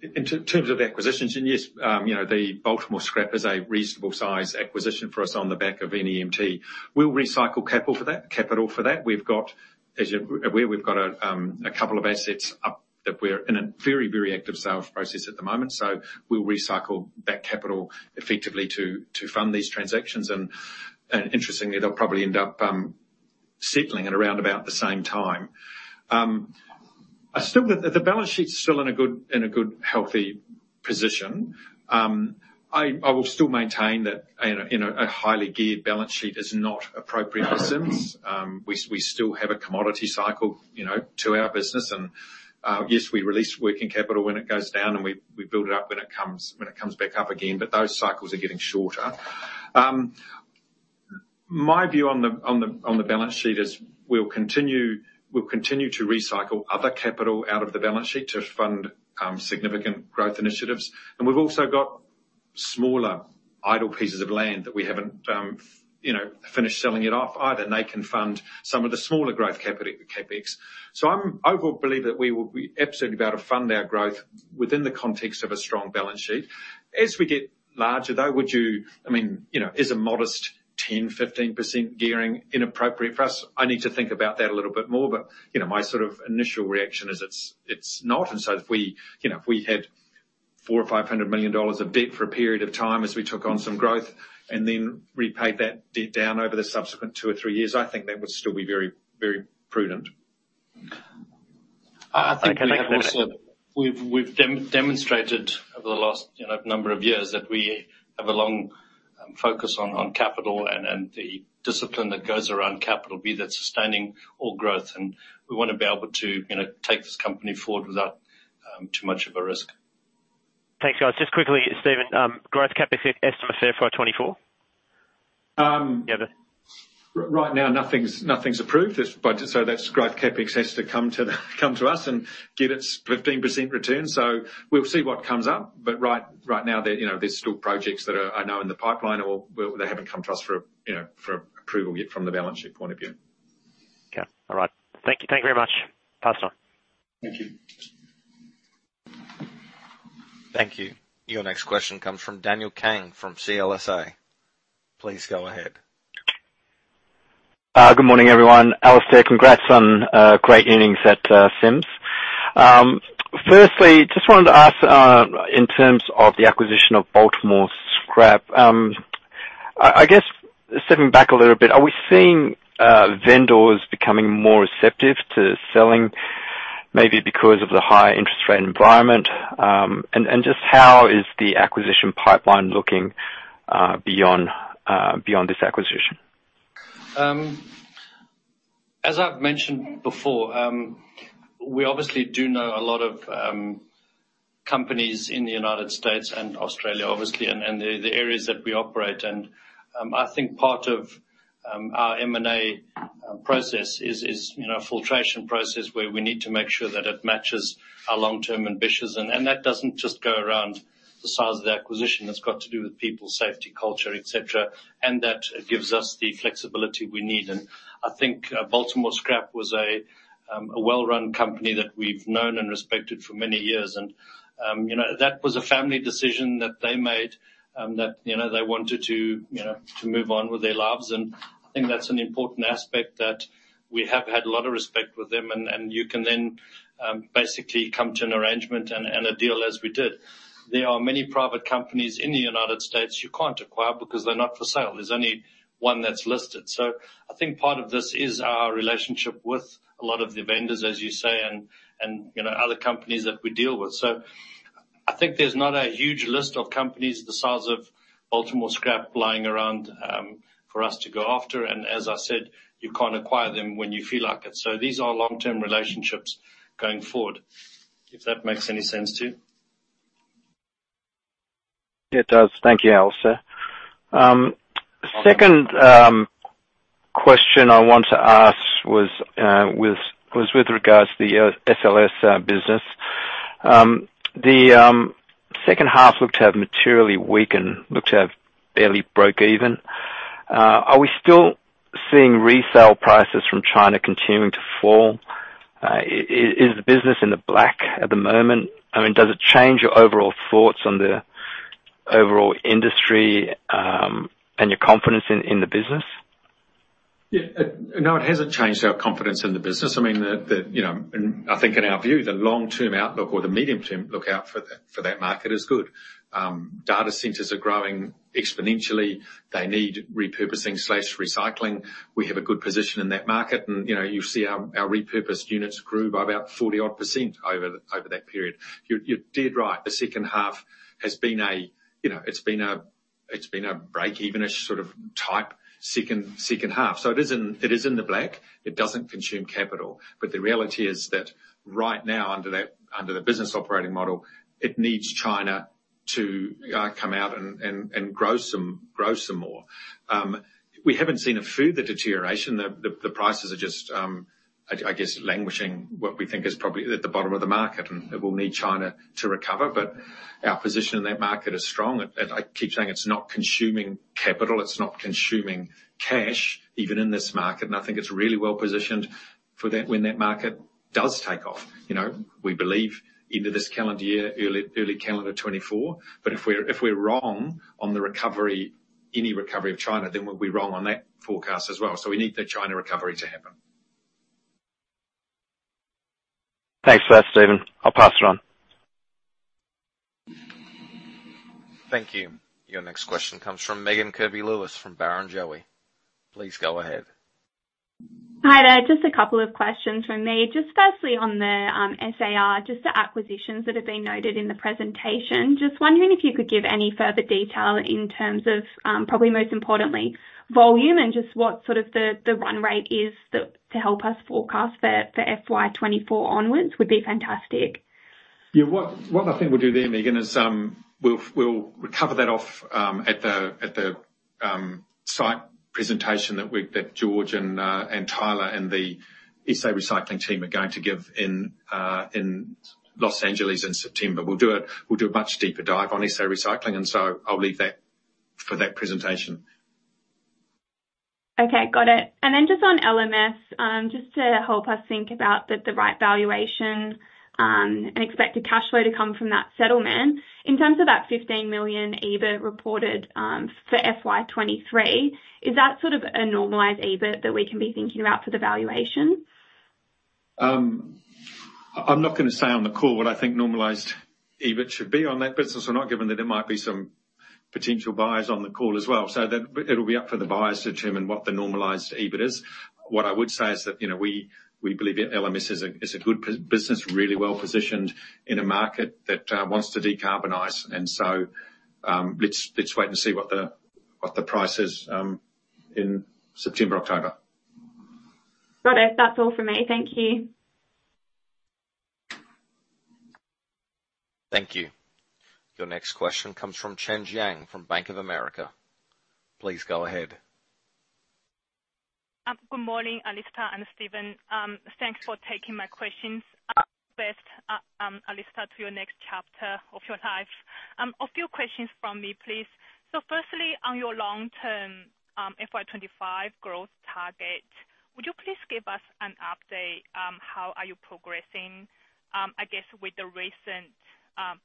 in terms of the acquisitions, and yes, you know, the Baltimore Scrap is a reasonable-size acquisition for us on the back of NEMT. We'll recycle capital for that, capital for that. We've got, as you're aware, we've got a couple of assets up that we're in a very, very active sales process at the moment, so we'll recycle that capital effectively to, to fund these transactions. Interestingly, they'll probably end up settling at around about the same time. I still, the balance sheet is still in a good, in a good, healthy position. I, I will still maintain that, you know, in a highly geared balance sheet is not appropriate for Sims. We still have a commodity cycle, you know, to our business, and yes, we release working capital when it goes down, and we build it up when it comes back up again, but those cycles are getting shorter. My view on the balance sheet is we'll continue to recycle other capital out of the balance sheet to fund significant growth initiatives. We've also got smaller idle pieces of land that we haven't, you know, finished selling it off either, and they can fund some of the smaller growth CapEx. Overall, believe that we will be absolutely able to fund our growth within the context of a strong balance sheet. As we get larger, though, I mean, you know, is a modest 10 - 15% gearing inappropriate for us? I need to think about that a little bit more, but, you know, my sort of initial reaction is, it's, it's not. If we, you know, if we had $400 million-$500 million of debt for a period of time as we took on some growth and then repaid that debt down over the subsequent two or three years, I think that would still be very, very prudent. I think we have also- Thank you. We've demonstrated over the last, you know, number of years that we have a long focus on, on capital and, and the discipline that goes around capital, be that sustaining or growth. We want to be able to, you know, take this company forward without too much of a risk. Thanks, guys. Just quickly, Stephen, growth CapEx estimate for FY24? Um- Yeah. Right now, nothing's, nothing's approved. That's growth CapEx has to come to the come to us and get its 15% return. We'll see what comes up. Right, right now, there, you know, there's still projects that are, I know, in the pipeline or they haven't come to us for, you know, for approval yet from the balance sheet point of view. Okay. All right. Thank you. Thank you very much. Pass on. Thank you. Thank you. Your next question comes from Daniel Kang from CLSA. Please go ahead. Good morning, everyone. Alistair, congrats on great earnings at Sims. Firstly, just wanted to ask, in terms of the acquisition of Baltimore Scrap, I, I guess stepping back a little bit, are we seeing vendors becoming more receptive to selling maybe because of the high interest rate environment? And just how is the acquisition pipeline looking beyond beyond this acquisition? As I've mentioned before, we obviously do know a lot of companies in the United States and Australia, obviously, and the areas that we operate. I think part of our M&A process is, is, you know, a filtration process, where we need to make sure that it matches our long-term ambitions. That doesn't just go around the size of the acquisition. It's got to do with people, safety, culture, et cetera, and that it gives us the flexibility we need. I think Baltimore Scrap was a well-run company that we've known and respected for many years. You know, that was a family decision that they made, that, you know, they wanted to, you know, to move on with their lives. I think that's an important aspect, that we have had a lot of respect with them, and, and you can then, basically come to an arrangement and, and a deal, as we did. There are many private companies in the United States you can't acquire because they're not for sale. There's only one that's listed. I think part of this is our relationship with a lot of the vendors, as you say, and, and, you know, other companies that we deal with. I think there's not a huge list of companies the size of Baltimore Scrap lying around, for us to go after, and as I said, you can't acquire them when you feel like it. These are long-term relationships going forward, if that makes any sense to you. It does. Thank you, Alistair. Second question I want to ask was with regards to the SLS business. The second half looked to have materially weakened, looked to have barely broke even. Are we still seeing resale prices from China continuing to fall? Is the business in the black at the moment? I mean, does it change your overall thoughts on the overall industry, and your confidence in the business? No, it hasn't changed our confidence in the business. I mean, the, the, you know, I think in our view, the long-term outlook or the medium-term outlook for that, for that market is good. Data centers are growing exponentially. They need repurposing slash recycling. We have a good position in that market, you know, you see our, our repurposed units grew by about 40% over, over that period. You're, you're dead right, the second half has been a, you know, it's been a, it's been a break-even-ish sort of type second, second half. It is in, it is in the black. It doesn't consume capital, the reality is that right now, under that, under the business operating model, it needs China to come out and, and, and grow some, grow some more. We haven't seen a further deterioration. The prices are just, I guess, languishing, what we think is probably at the bottom of the market. It will need China to recover. Our position in that market is strong, and I keep saying it's not consuming capital, it's not consuming cash, even in this market, and I think it's really well positioned for that when that market does take off. You know, we believe into this calendar year, early calendar 24, but if we're wrong on the recovery, any recovery of China, then we'll be wrong on that forecast as well. We need the China recovery to happen. Thanks for that, Stephen. I'll pass it on. Thank you. Your next question comes from Megan Kirby-Lewis, from Barrenjoey. Please go ahead. Hi there. Just a couple of questions from me. Just firstly, on the SAR, just the acquisitions that have been noted in the presentation. Just wondering if you could give any further detail in terms of, probably most importantly, volume, and just what sort of the, the run rate is to, to help us forecast for, for FY24 onwards would be fantastic. Yeah, what, what I think we'll do there, Megan, is, we'll, we'll cover that off, at the, at the.... site presentation that we, that George and, and Tyler and the SA Recycling LLC team are going to give in, in Los Angeles in September. We'll do a, we'll do a much deeper dive on SA Recycling LLC, and so I'll leave that for that presentation. Okay, got it. Then just on LMS, just to help us think about the right valuation, and expected cash flow to come from that settlement. In terms of that 15 million EBIT reported, for FY23, is that sort of a normalized EBIT that we can be thinking about for the valuation? I'm not gonna say on the call what I think normalized EBIT should be on that business or not, given that there might be some potential buyers on the call as well. That, it'll be up for the buyers to determine what the normalized EBIT is. What I would say is that, you know, we, we believe that LMS is a, is a good business, really well-positioned in a market that wants to decarbonize. Let's, let's wait and see what the, what the price is in September, October. Got it. That's all for me. Thank you. Thank you. Your next question comes from Chen Jiang from Bank of America. Please go ahead. Good morning, Alistair and Stephen. Thanks for taking my questions. Best, Alistair, to your next chapter of your life. A few questions from me, please. Firstly, on your long-term, FY25 growth target, would you please give us an update, how are you progressing, I guess with the recent,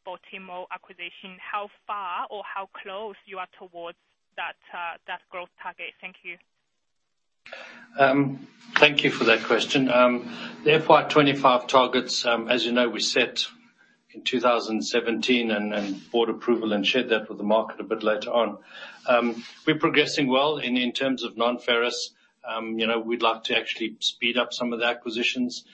Baltimore acquisition, how far or how close you are towards that, that growth target? Thank you. Thank you for that question. The FY25 targets, as you know, we set in 2017, and, and board approval, and shared that with the market a bit later on. We're progressing well in, in terms of non-ferrous. You know, we'd like to actually speed up some of the acquisitions,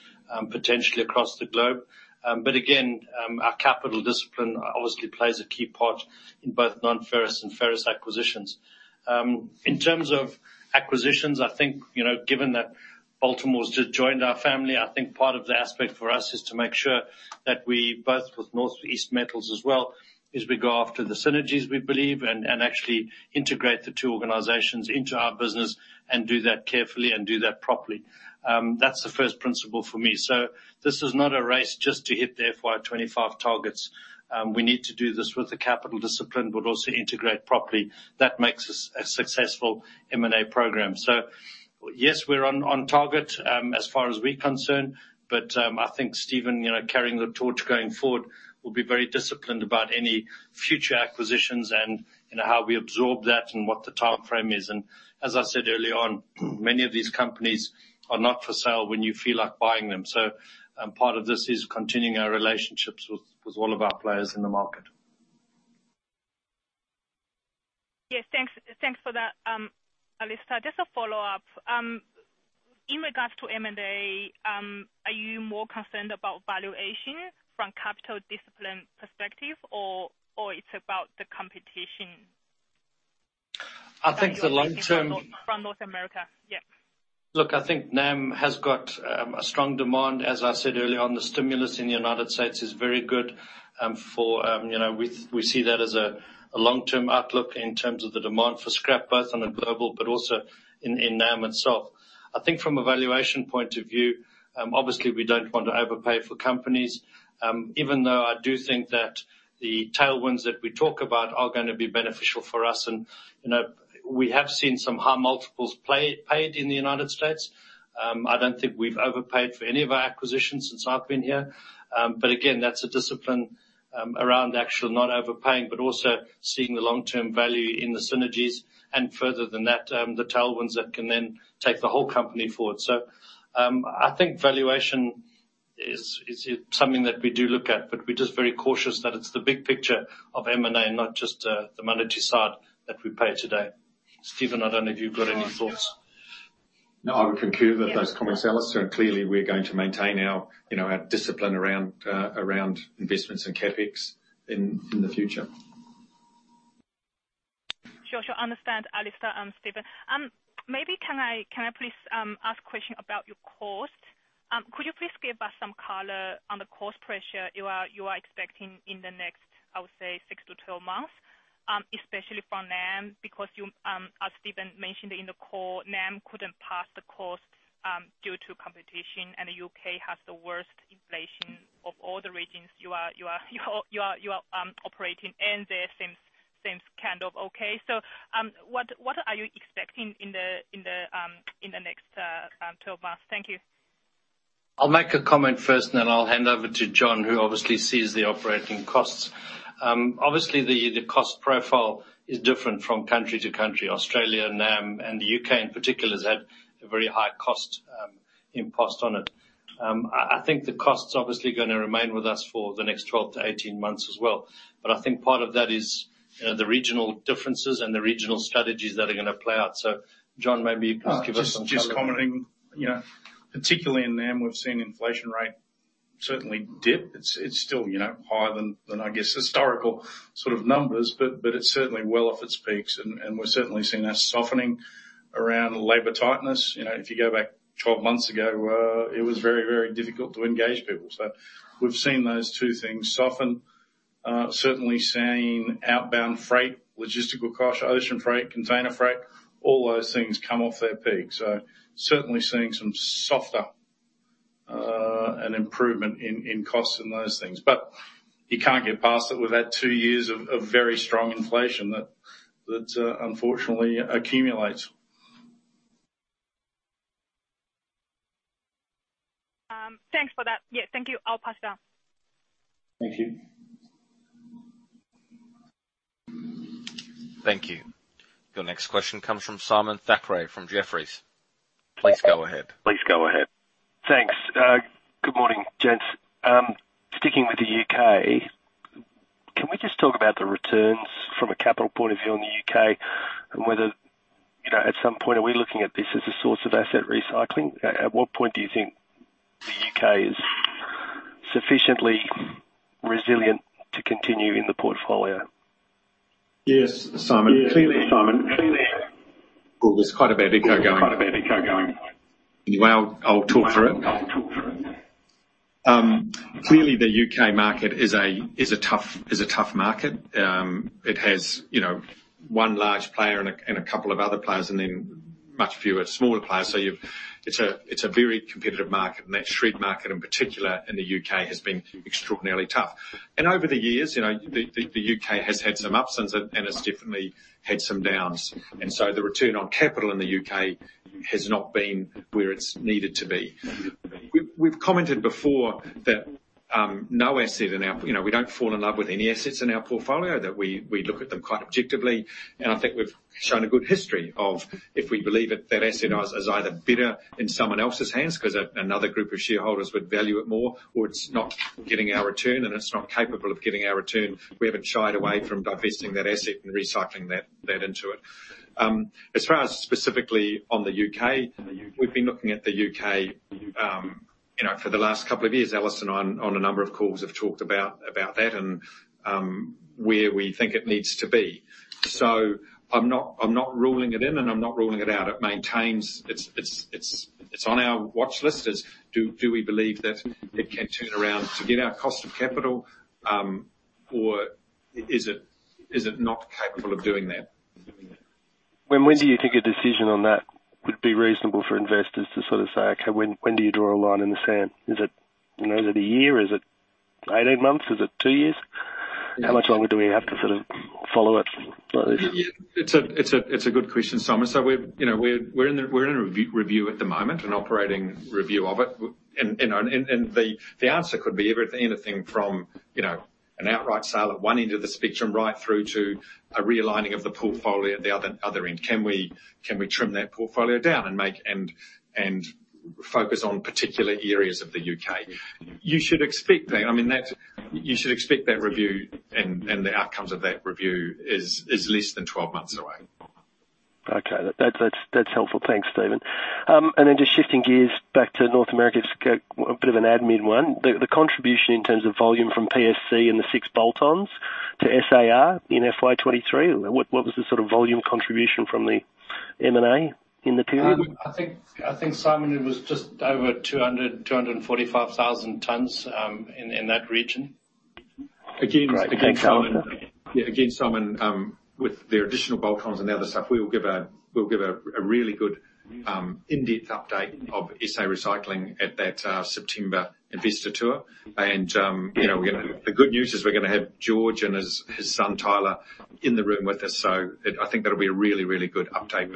potentially across the globe. Again, our capital discipline obviously plays a key part in both non-ferrous and ferrous acquisitions. In terms of acquisitions, I think, you know, given that Baltimore's just joined our family, I think part of the aspect for us is to make sure that we, both with Northeast Metals as well, is we go after the synergies we believe, and, and actually integrate the two organizations into our business and do that carefully and do that properly. That's the first principle for me. This is not a race just to hit the FY25 targets. We need to do this with the capital discipline, but also integrate properly. That makes us a successful M&A program. Yes, we're on, on target, as far as we're concerned, but, I think Stephen, you know, carrying the torch going forward, will be very disciplined about any future acquisitions and, you know, how we absorb that and what the timeframe is. As I said early on, many of these companies are not for sale when you feel like buying them. Part of this is continuing our relationships with, with all of our players in the market. Yes, thanks. Thanks for that, Alistair. Just a follow-up. In regards to M&A, are you more concerned about valuation from capital discipline perspective or, or it's about the competition? I think the long term- From North America. Yeah. Look, I think NAM has got a strong demand. As I said earlier on, the stimulus in the United States is very good for. You know, we see that as a long-term outlook in terms of the demand for scrap, both on a global but also in, in NAM itself. I think from a valuation point of view, obviously we don't want to overpay for companies, even though I do think that the tailwinds that we talk about are gonna be beneficial for us. You know, we have seen some high multiples paid in the United States. I don't think we've overpaid for any of our acquisitions since I've been here. Again, that's a discipline, around actual not overpaying, but also seeing the long-term value in the synergies, and further than that, the tailwinds that can then take the whole company forward. I think valuation is, is something that we do look at, but we're just very cautious that it's the big picture of M&A, not just, the monetary side that we pay today. Stephen, I don't know if you've got any thoughts. No, I would concur with those comments, Alistair, and clearly we're going to maintain our, you know, our discipline around investments and CapEx in the future. Sure, sure. Understand, Alistair and Stephen. Maybe can I, can I please ask a question about your cost? Could you please give us some color on the cost pressure you are, you are expecting in the next, I would say, six to 12 months, especially from NAM, because you, as Stephen mentioned in the call, NAM couldn't pass the cost due to competition, and the U.K. has the worst inflation of all the regions you are, you are, you are, you are operating, and there seems, seems kind of okay. What, what are you expecting in the, in the, in the next 12 months? Thank you. I'll make a comment first, and then I'll hand over to John, who obviously sees the operating costs. Obviously the, the cost profile is different from country to country. Australia, NAM, and the UK in particular, has had a very high cost imposed on it. I, I think the cost's obviously gonna remain with us for the next 12 to 18 months as well, but I think part of that is the regional differences and the regional strategies that are gonna play out. John, maybe you can give us some color. Just, just commenting. You know, particularly in NAM, we've seen inflation rate certainly dip. It's, it's still, you know, higher than, than I guess, historical sort of numbers, but, but it's certainly well off its peaks, and, and we're certainly seeing that softening around labor tightness. You know, if you go back 12 months ago, it was very, very difficult to engage people. We've seen those two things soften. Certainly seeing outbound freight, logistical costs, ocean freight, container freight, all those things come off their peak. Certainly seeing some softer.... an improvement in, in costs and those things. You can't get past it without two years of, of very strong inflation that unfortunately accumulates. Thanks for that. Yeah, thank you. I'll pass down. Thank you. Thank you. Your next question comes from Simon Thackray, from Jefferies. Please go ahead. Please go ahead. Thanks. Good morning, gents. Sticking with the UK, can we just talk about the returns from a capital point of view on the UK, whether, you know, at some point, are we looking at this as a source of asset recycling? At, at what point do you think the UK is sufficiently resilient to continue in the portfolio? Yes, Simon. Clearly, Simon. There's quite a bit of echo going. Quite a bit of echo going. Well, I'll talk through it. Clearly, the UK market is a, is a tough, is a tough market. It has, you know, one large player and a, and a couple of other players, and then much fewer smaller players. It's a, it's a very competitive market, and that shred market, in particular in the UK, has been extraordinarily tough. Over the years, you know, the, the, the UK has had some ups and it, and it's definitely had some downs. So the return on capital in the UK has not been where it's needed to be. We've, we've commented before that, you know, we don't fall in love with any assets in our portfolio, that we, we look at them quite objectively, and I think we've shown a good history of if we believe it, that asset is, is either better in someone else's hands because another group of shareholders would value it more, or it's not getting our return, and it's not capable of getting our return, we haven't shied away from divesting that asset and recycling that into it. As far as specifically on the UK, we've been looking at the UK, you know, for the last couple of years. Allison, on, on a number of calls, have talked about, about that and, where we think it needs to be. I'm not, I'm not ruling it in, and I'm not ruling it out. It maintains. It's, it's, it's, it's on our watch list. It's do we believe that it can turn around to get our cost of capital, or is it not capable of doing that? When do you think a decision on that would be reasonable for investors to sort of say, "Okay, when, when do you draw a line in the sand?" Is it, you know, is it one year? Is it 18 months? Is it two years? How much longer do we have to sort of follow it like this? Yeah, it's a, it's a, it's a good question, Simon. We've, you know, we're, we're in a review at the moment, an operating review of it, and, and, and, and the, the answer could be anything from, you know, an outright sale at one end of the spectrum, right through to a realigning of the portfolio at the other, other end. Can we, can we trim that portfolio down and make, and, and focus on particular areas of the U.K.? You should expect that. I mean, You should expect that review and, and the outcomes of that review is, is less than 12 months away. Okay. That's, that's, that's helpful. Thanks, Stephen. Then just shifting gears back to North America, just a bit of an admin one. The contribution in terms of volume from PSC and the six bolt-ons to SAR in FY23, what was the sort of volume contribution from the M&A in the period? I think, I think, Simon, it was just over 245,000 tons, in, in that region. Great. Thanks. Again, Simon, with the additional bolt-ons and the other stuff, we will give a, we'll give a, a really good, in-depth update of SA Recycling at that September investor tour. You know, the good news is we're gonna have George and his, his son, Tyler, in the room with us, so I think that'll be a really, really good update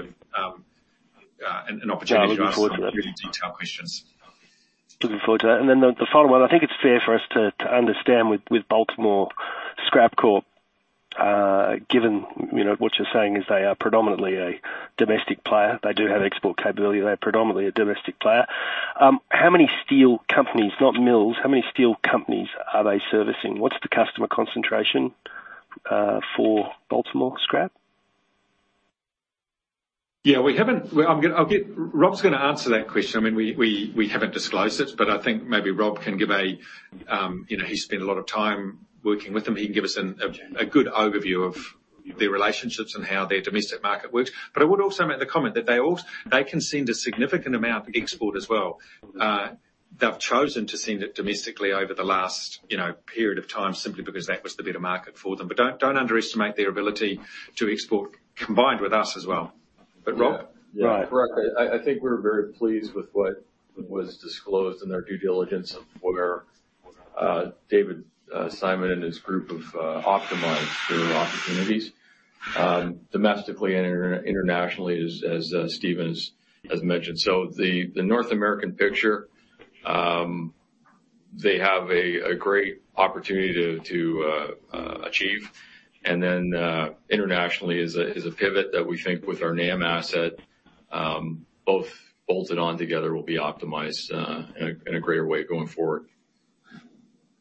and an opportunity. Yeah, looking forward to that. to ask really detailed questions. Looking forward to that. Then the, the final one, I think it's fair for us to, to understand with, with Baltimore Scrap Corporation, given, you know, what you're saying, is they are predominantly a domestic player. They do have export capability, they're predominantly a domestic player. How many steel companies, not mills, how many steel companies are they servicing? What's the customer concentration for Baltimore Scrap? Yeah, we haven't. Well, Rob's gonna answer that question. I mean, we haven't disclosed it, but I think maybe Rob can give a, you know, he spent a lot of time working with them. He can give us a good overview of their relationships and how their domestic market works. I would also make the comment that they can send a significant amount of export as well. They've chosen to send it domestically over the last, you know, period of time, simply because that was the better market for them. Don't, don't underestimate their ability to export, combined with us as well. Rob? Right. Correct. I, I think we're very pleased with what was disclosed in their due diligence of where David Simon and his group have optimized their opportunities, domestically and inter-internationally, as Stephen has mentioned. The North American picture, they have a great opportunity to, to achieve, and then internationally is a pivot that we think with our NAM asset, both bolted on together, will be optimized in a greater way going forward.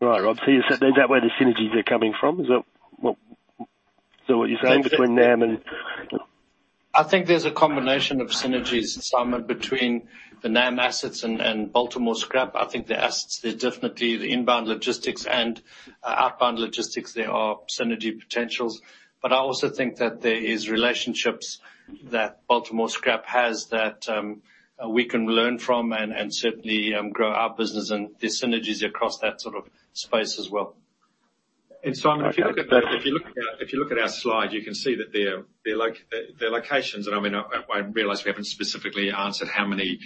Right. Rob, is that where the synergies are coming from? Is that what, is that what you're saying, between NAM and- I think there's a combination of synergies, Simon, between the NAM assets and Baltimore Scrap. I think the assets, they're definitely the inbound logistics and outbound logistics, there are synergy potentials. I also think that there is relationships that Baltimore Scrap has that we can learn from and certainly grow our business and there's synergies across that sort of space as well. If you look at the, if you look at, if you look at our slide, you can see that their, their locations, and I mean, I, I realize we haven't specifically answered how many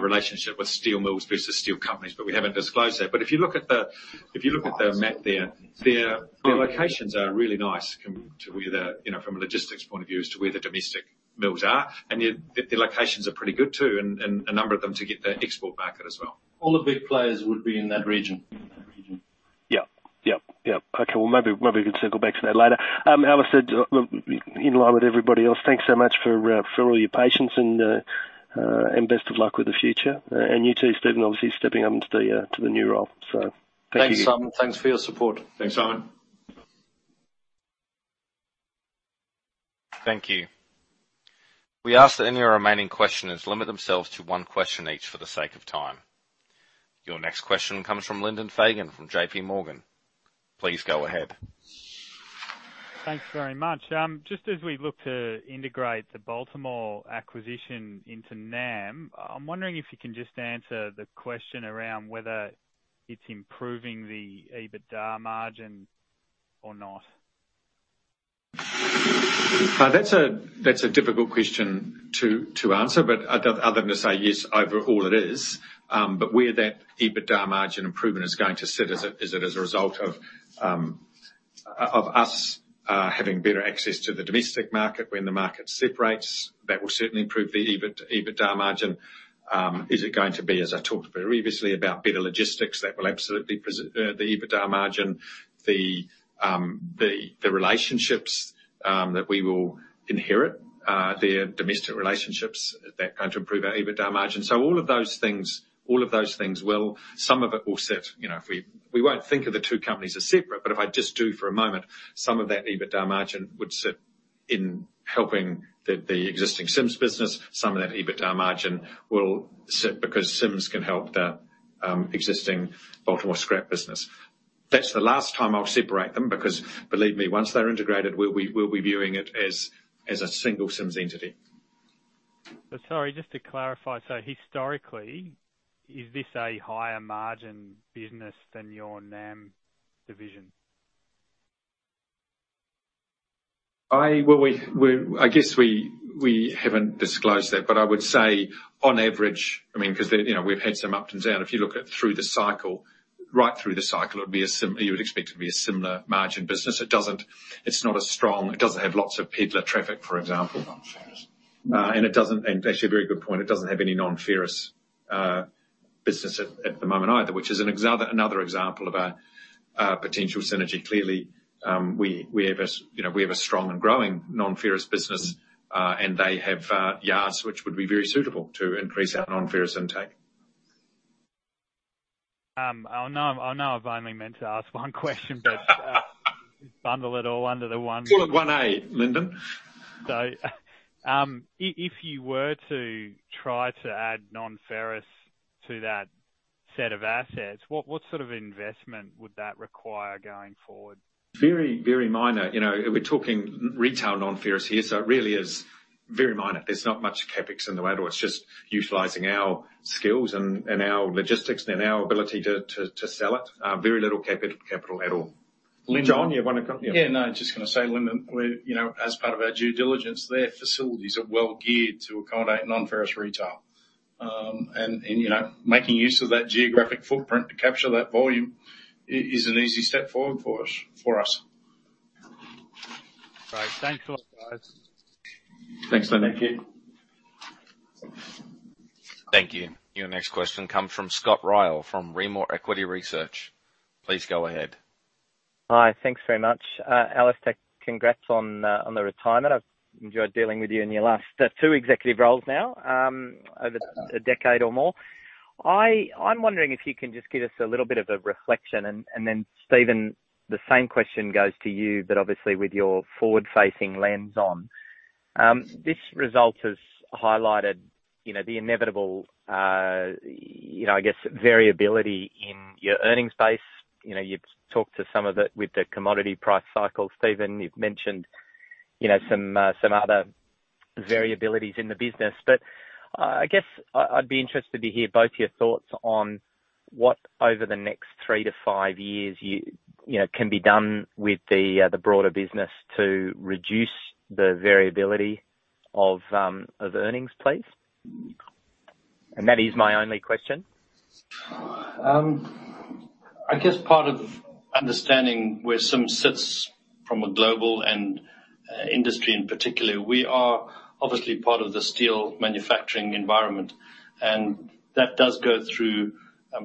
relationship with steel mills versus steel companies, but we haven't disclosed that. If you look at the, if you look at the map there, their, their locations are really nice to where the, you know, from a logistics point of view, as to where the domestic mills are, and yet their locations are pretty good, too, and, and a number of them to get the export market as well. All the big players would be in that region. Yep. Yep, yep. Okay, well, maybe, maybe we can circle back to that later. Alistair, in line with everybody else, thanks so much for all your patience and best of luck with the future. You, too, Stephen, obviously stepping up into the to the new role. Thank you. Thanks, Simon. Thanks for your support. Thanks, Simon. Thank you. We ask that any remaining questioners limit themselves to one question each for the sake of time. Your next question comes from Lyndon Fegan, from J.P. Morgan. Please go ahead. Thanks very much. Just as we look to integrate the Baltimore acquisition into NAM, I'm wondering if you can just answer the question around whether it's improving the EBITDA margin or not? That's a difficult question to, to answer, but other, other than to say, yes, overall, it is. Where that EBITDA margin improvement is going to sit, is it as a result of us having better access to the domestic market when the market separates? That will certainly improve the EBITDA margin. Is it going to be, as I talked about previously, about better logistics? That will absolutely the EBITDA margin. The relationships, that we will inherit, their domestic relationships, is that going to improve our EBITDA margin? All of those things, all of those things will... Some of it will sit, you know, if we won't think of the two companies as separate, but if I just do for a moment, some of that EBITDA margin would sit in helping the, the existing Sims business. Some of that EBITDA margin will sit because Sims can help the existing Baltimore Scrap business. That's the last time I'll separate them, because believe me, once they're integrated, we'll be, we'll be viewing it as, as a single Sims entity. Sorry, just to clarify: historically, is this a higher margin business than your NAM division? Well, we, I guess we haven't disclosed that, but I would say on average, I mean, 'cause, you know, we've had some ups and downs. If you look at through the cycle, right through the cycle, it would be a similar, you would expect it to be a similar margin business. It doesn't. It's not as strong. It doesn't have lots of peddler traffic, for example. Non-ferrous. It doesn't, and actually, a very good point, it doesn't have any non-ferrous business at the moment either, which is another example of a potential synergy. Clearly, we, we have a, you know, we have a strong and growing non-ferrous business, and they have yards, which would be very suitable to increase our non-ferrous intake. I know, I know I've only meant to ask one question, but bundle it all under the one. Call it one A, Lyndon. If you were to try to add non-ferrous to that set of assets, what, what sort of investment would that require going forward? Very, very minor. You know, we're talking retail non-ferrous here, so it really is very minor. There's not much CapEx in the way at all. It's just utilizing our skills and, and our logistics and our ability to sell it. Very little capital, capital at all. Lyndon- John, you want to? Yeah. Yeah, no, I just gonna say, Lyndon, we're, you know, as part of our due diligence, their facilities are well geared to accommodate non-ferrous retail. You know, making use of that geographic footprint to capture that volume is an easy step forward for us, for us. Great. Thanks a lot, guys. Thanks, Lyndon. Thank you. Thank you. Your next question comes from Scott Ryall, from Morgans Financial Limited. Please go ahead. Hi, thanks very much. Alistair, congrats on the retirement. I've enjoyed dealing with you in your last two executive roles now, over a decade or more. I'm wondering if you can just give us a little bit of a reflection, and, and then, Stephen, the same question goes to you, but obviously with your forward-facing lens on. This result has highlighted, you know, the inevitable, you know, I guess, variability in your earnings base. You know, you've talked to some of it with the commodity price cycle. Stephen, you've mentioned, you know, some, some other variabilities in the business. I guess I, I'd be interested to hear both your thoughts on what, over the next three to five years, you know, can be done with the broader business to reduce the variability of earnings, please. That is my only question. I guess part of understanding where Sims sits from a global and industry in particular, we are obviously part of the steel manufacturing environment, and that does go through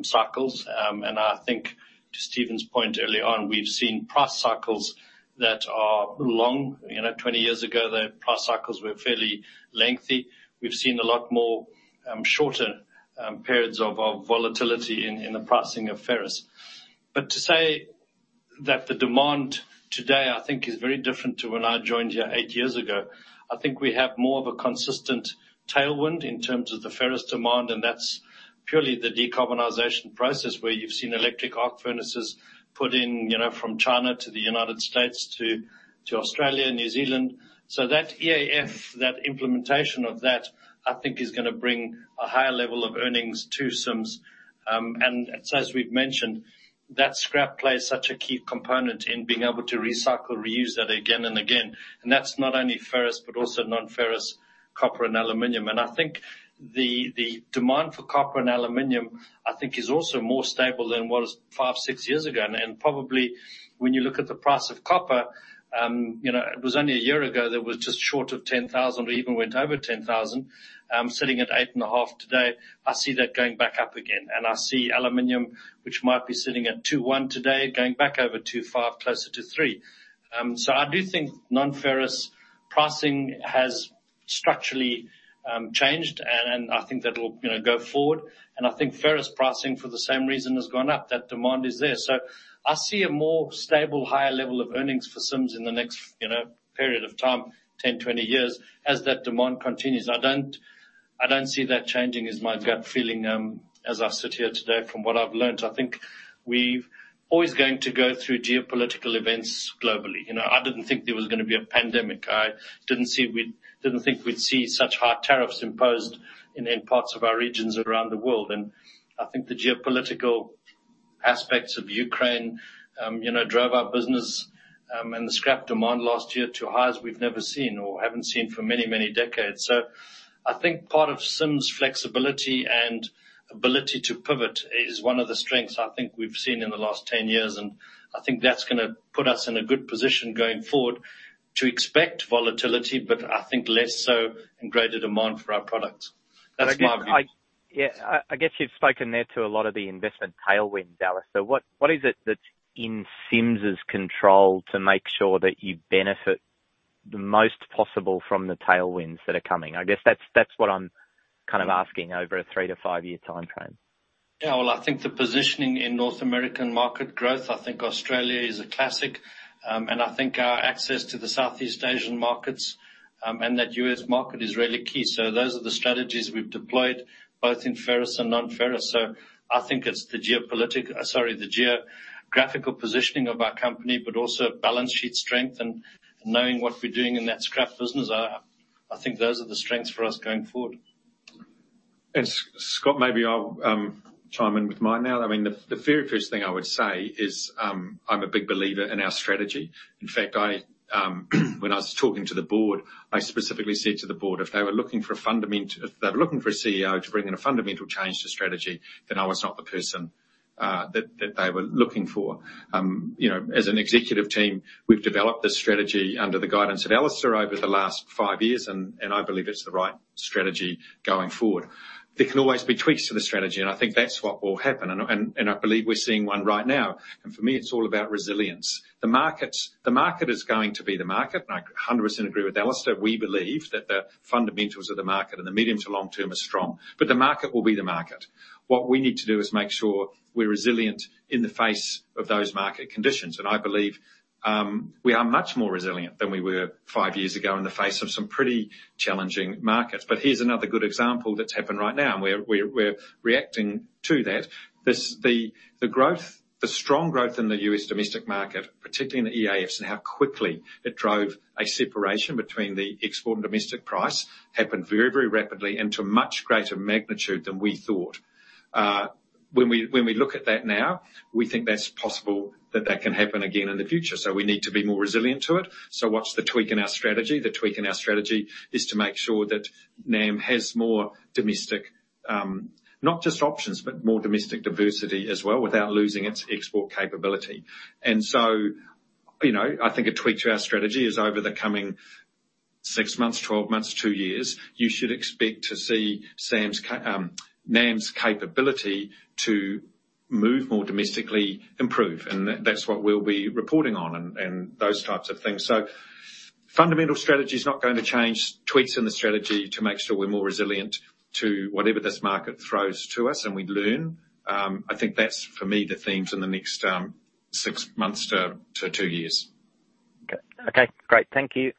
cycles. I think to Stephen's point early on, we've seen price cycles that are long. You know, 20 years ago, the price cycles were fairly lengthy. We've seen a lot more shorter periods of volatility in the pricing of ferrous. To say that the demand today, I think, is very different to when I joined here eight years ago, I think we have more of a consistent tailwind in terms of the ferrous demand, and that's purely the decarbonization process, where you've seen electric arc furnaces put in, you know, from China to the United States to Australia and New Zealand. That EAF, that implementation of that, I think is going to bring a higher level of earnings to Sims. And as we've mentioned, that scrap plays such a key component in being able to recycle, reuse that again and again. And that's not only ferrous, but also non-ferrous, copper and aluminum. And I think the, the demand for copper and aluminum, I think, is also more stable than it was five, six years ago. And, and probably when you look at the price of copper, you know, it was only a year ago that it was just short of $10,000 or even went over $10,000. Sitting at $8,500 today, I see that going back up again, and I see aluminum, which might be sitting at $2,100 today, going back over to $2,500, closer to $3,000. I do think non-ferrous pricing has structurally changed, and, and I think that will, you know, go forward. I think ferrous pricing, for the same reason, has gone up. That demand is there. I see a more stable, higher level of earnings for Sims in the next, you know, period of time, 10, 20 years, as that demand continues. I don't, I don't see that changing is my gut feeling as I sit here today, from what I've learned. I think we've always going to go through geopolitical events globally. You know, I didn't think there was going to be a pandemic. I didn't think we'd see such high tariffs imposed in, in parts of our regions around the world. I think the geopolitical aspects of Ukraine, you know, drove our business and the scrap demand last year to highs we've never seen or haven't seen for many, many decades. I think part of Sims' flexibility and ability to pivot is one of the strengths I think we've seen in the last 10 years, and I think that's gonna put us in a good position going forward to expect volatility, but I think less so and greater demand for our products. That's my view. I, yeah, I guess you've spoken there to a lot of the investment tailwind, Alistair. What, what is it that's in Sims' control to make sure that you benefit the most possible from the tailwinds that are coming? I guess that's, that's what I'm kind of asking over a three to five year timeframe. Yeah, well, I think the positioning in North American market growth, I think Australia is a classic, and I think our access to the Southeast Asian markets, and that US market is really key. Those are the strategies we've deployed both in ferrous and non-ferrous. I think it's the geographical positioning of our company, but also balance sheet strength and, and knowing what we're doing in that scrap business, I, I think those are the strengths for us going forward. Scott, maybe I'll chime in with mine now. I mean, the very first thing I would say is, I'm a big believer in our strategy. In fact, I, when I was talking to the board, I specifically said to the board, if they were looking for a fundament... If they were looking for a CEO to bring in a fundamental change to strategy, then I was not the person that, that they were looking for. You know, as an executive team, we've developed this strategy under the guidance of Alistair over the last five years, and, and I believe it's the right strategy going forward. There can always be tweaks to the strategy, and I think that's what will happen, and, and, and I believe we're seeing one right now. For me, it's all about resilience. The market, the market is going to be the market, and I 100% agree with Alistair Field. We believe that the fundamentals of the market in the medium to long term are strong, but the market will be the market. What we need to do is make sure we're resilient in the face of those market conditions, and I believe we are much more resilient than we were five years ago in the face of some pretty challenging markets. Here's another good example that's happened right now, and we're reacting to that. The growth, the strong growth in the U.S. domestic market, particularly in the EAFs and how quickly it drove a separation between the export and domestic price, happened very, very rapidly and to much greater magnitude than we thought. When we, when we look at that now, we think that's possible that that can happen again in the future, so we need to be more resilient to it. What's the tweak in our strategy? The tweak in our strategy is to make sure that NAM has more domestic, not just options, but more domestic diversity as well, without losing its export capability. You know, I think a tweak to our strategy is over the coming six months, 12 months, two years, you should expect to see Sims NAM's capability to move more domestically, improve. That-that's what we'll be reporting on and, and those types of things. Fundamental strategy is not going to change. Tweaks in the strategy to make sure we're more resilient to whatever this market throws to us and we learn, I think that's, for me, the themes in the next, six months to two years. Okay. Okay, great. Thank you.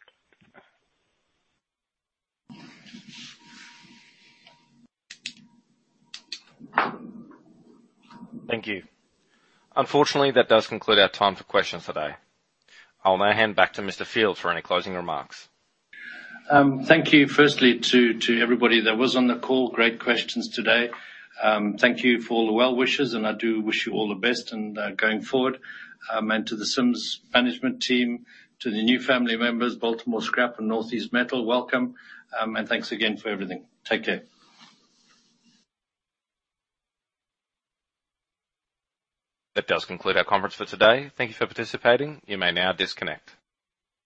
Thank you. Unfortunately, that does conclude our time for questions today. I'll now hand back to Mr. Field for any closing remarks. Thank you, firstly, to, to everybody that was on the call. Great questions today. Thank you for all the well wishes, and I do wish you all the best and going forward. To the Sims management team, to the new family members, Baltimore Scrap and Northeast Metal, welcome, and thanks again for everything. Take care. That does conclude our conference for today. Thank you for participating. You may now disconnect.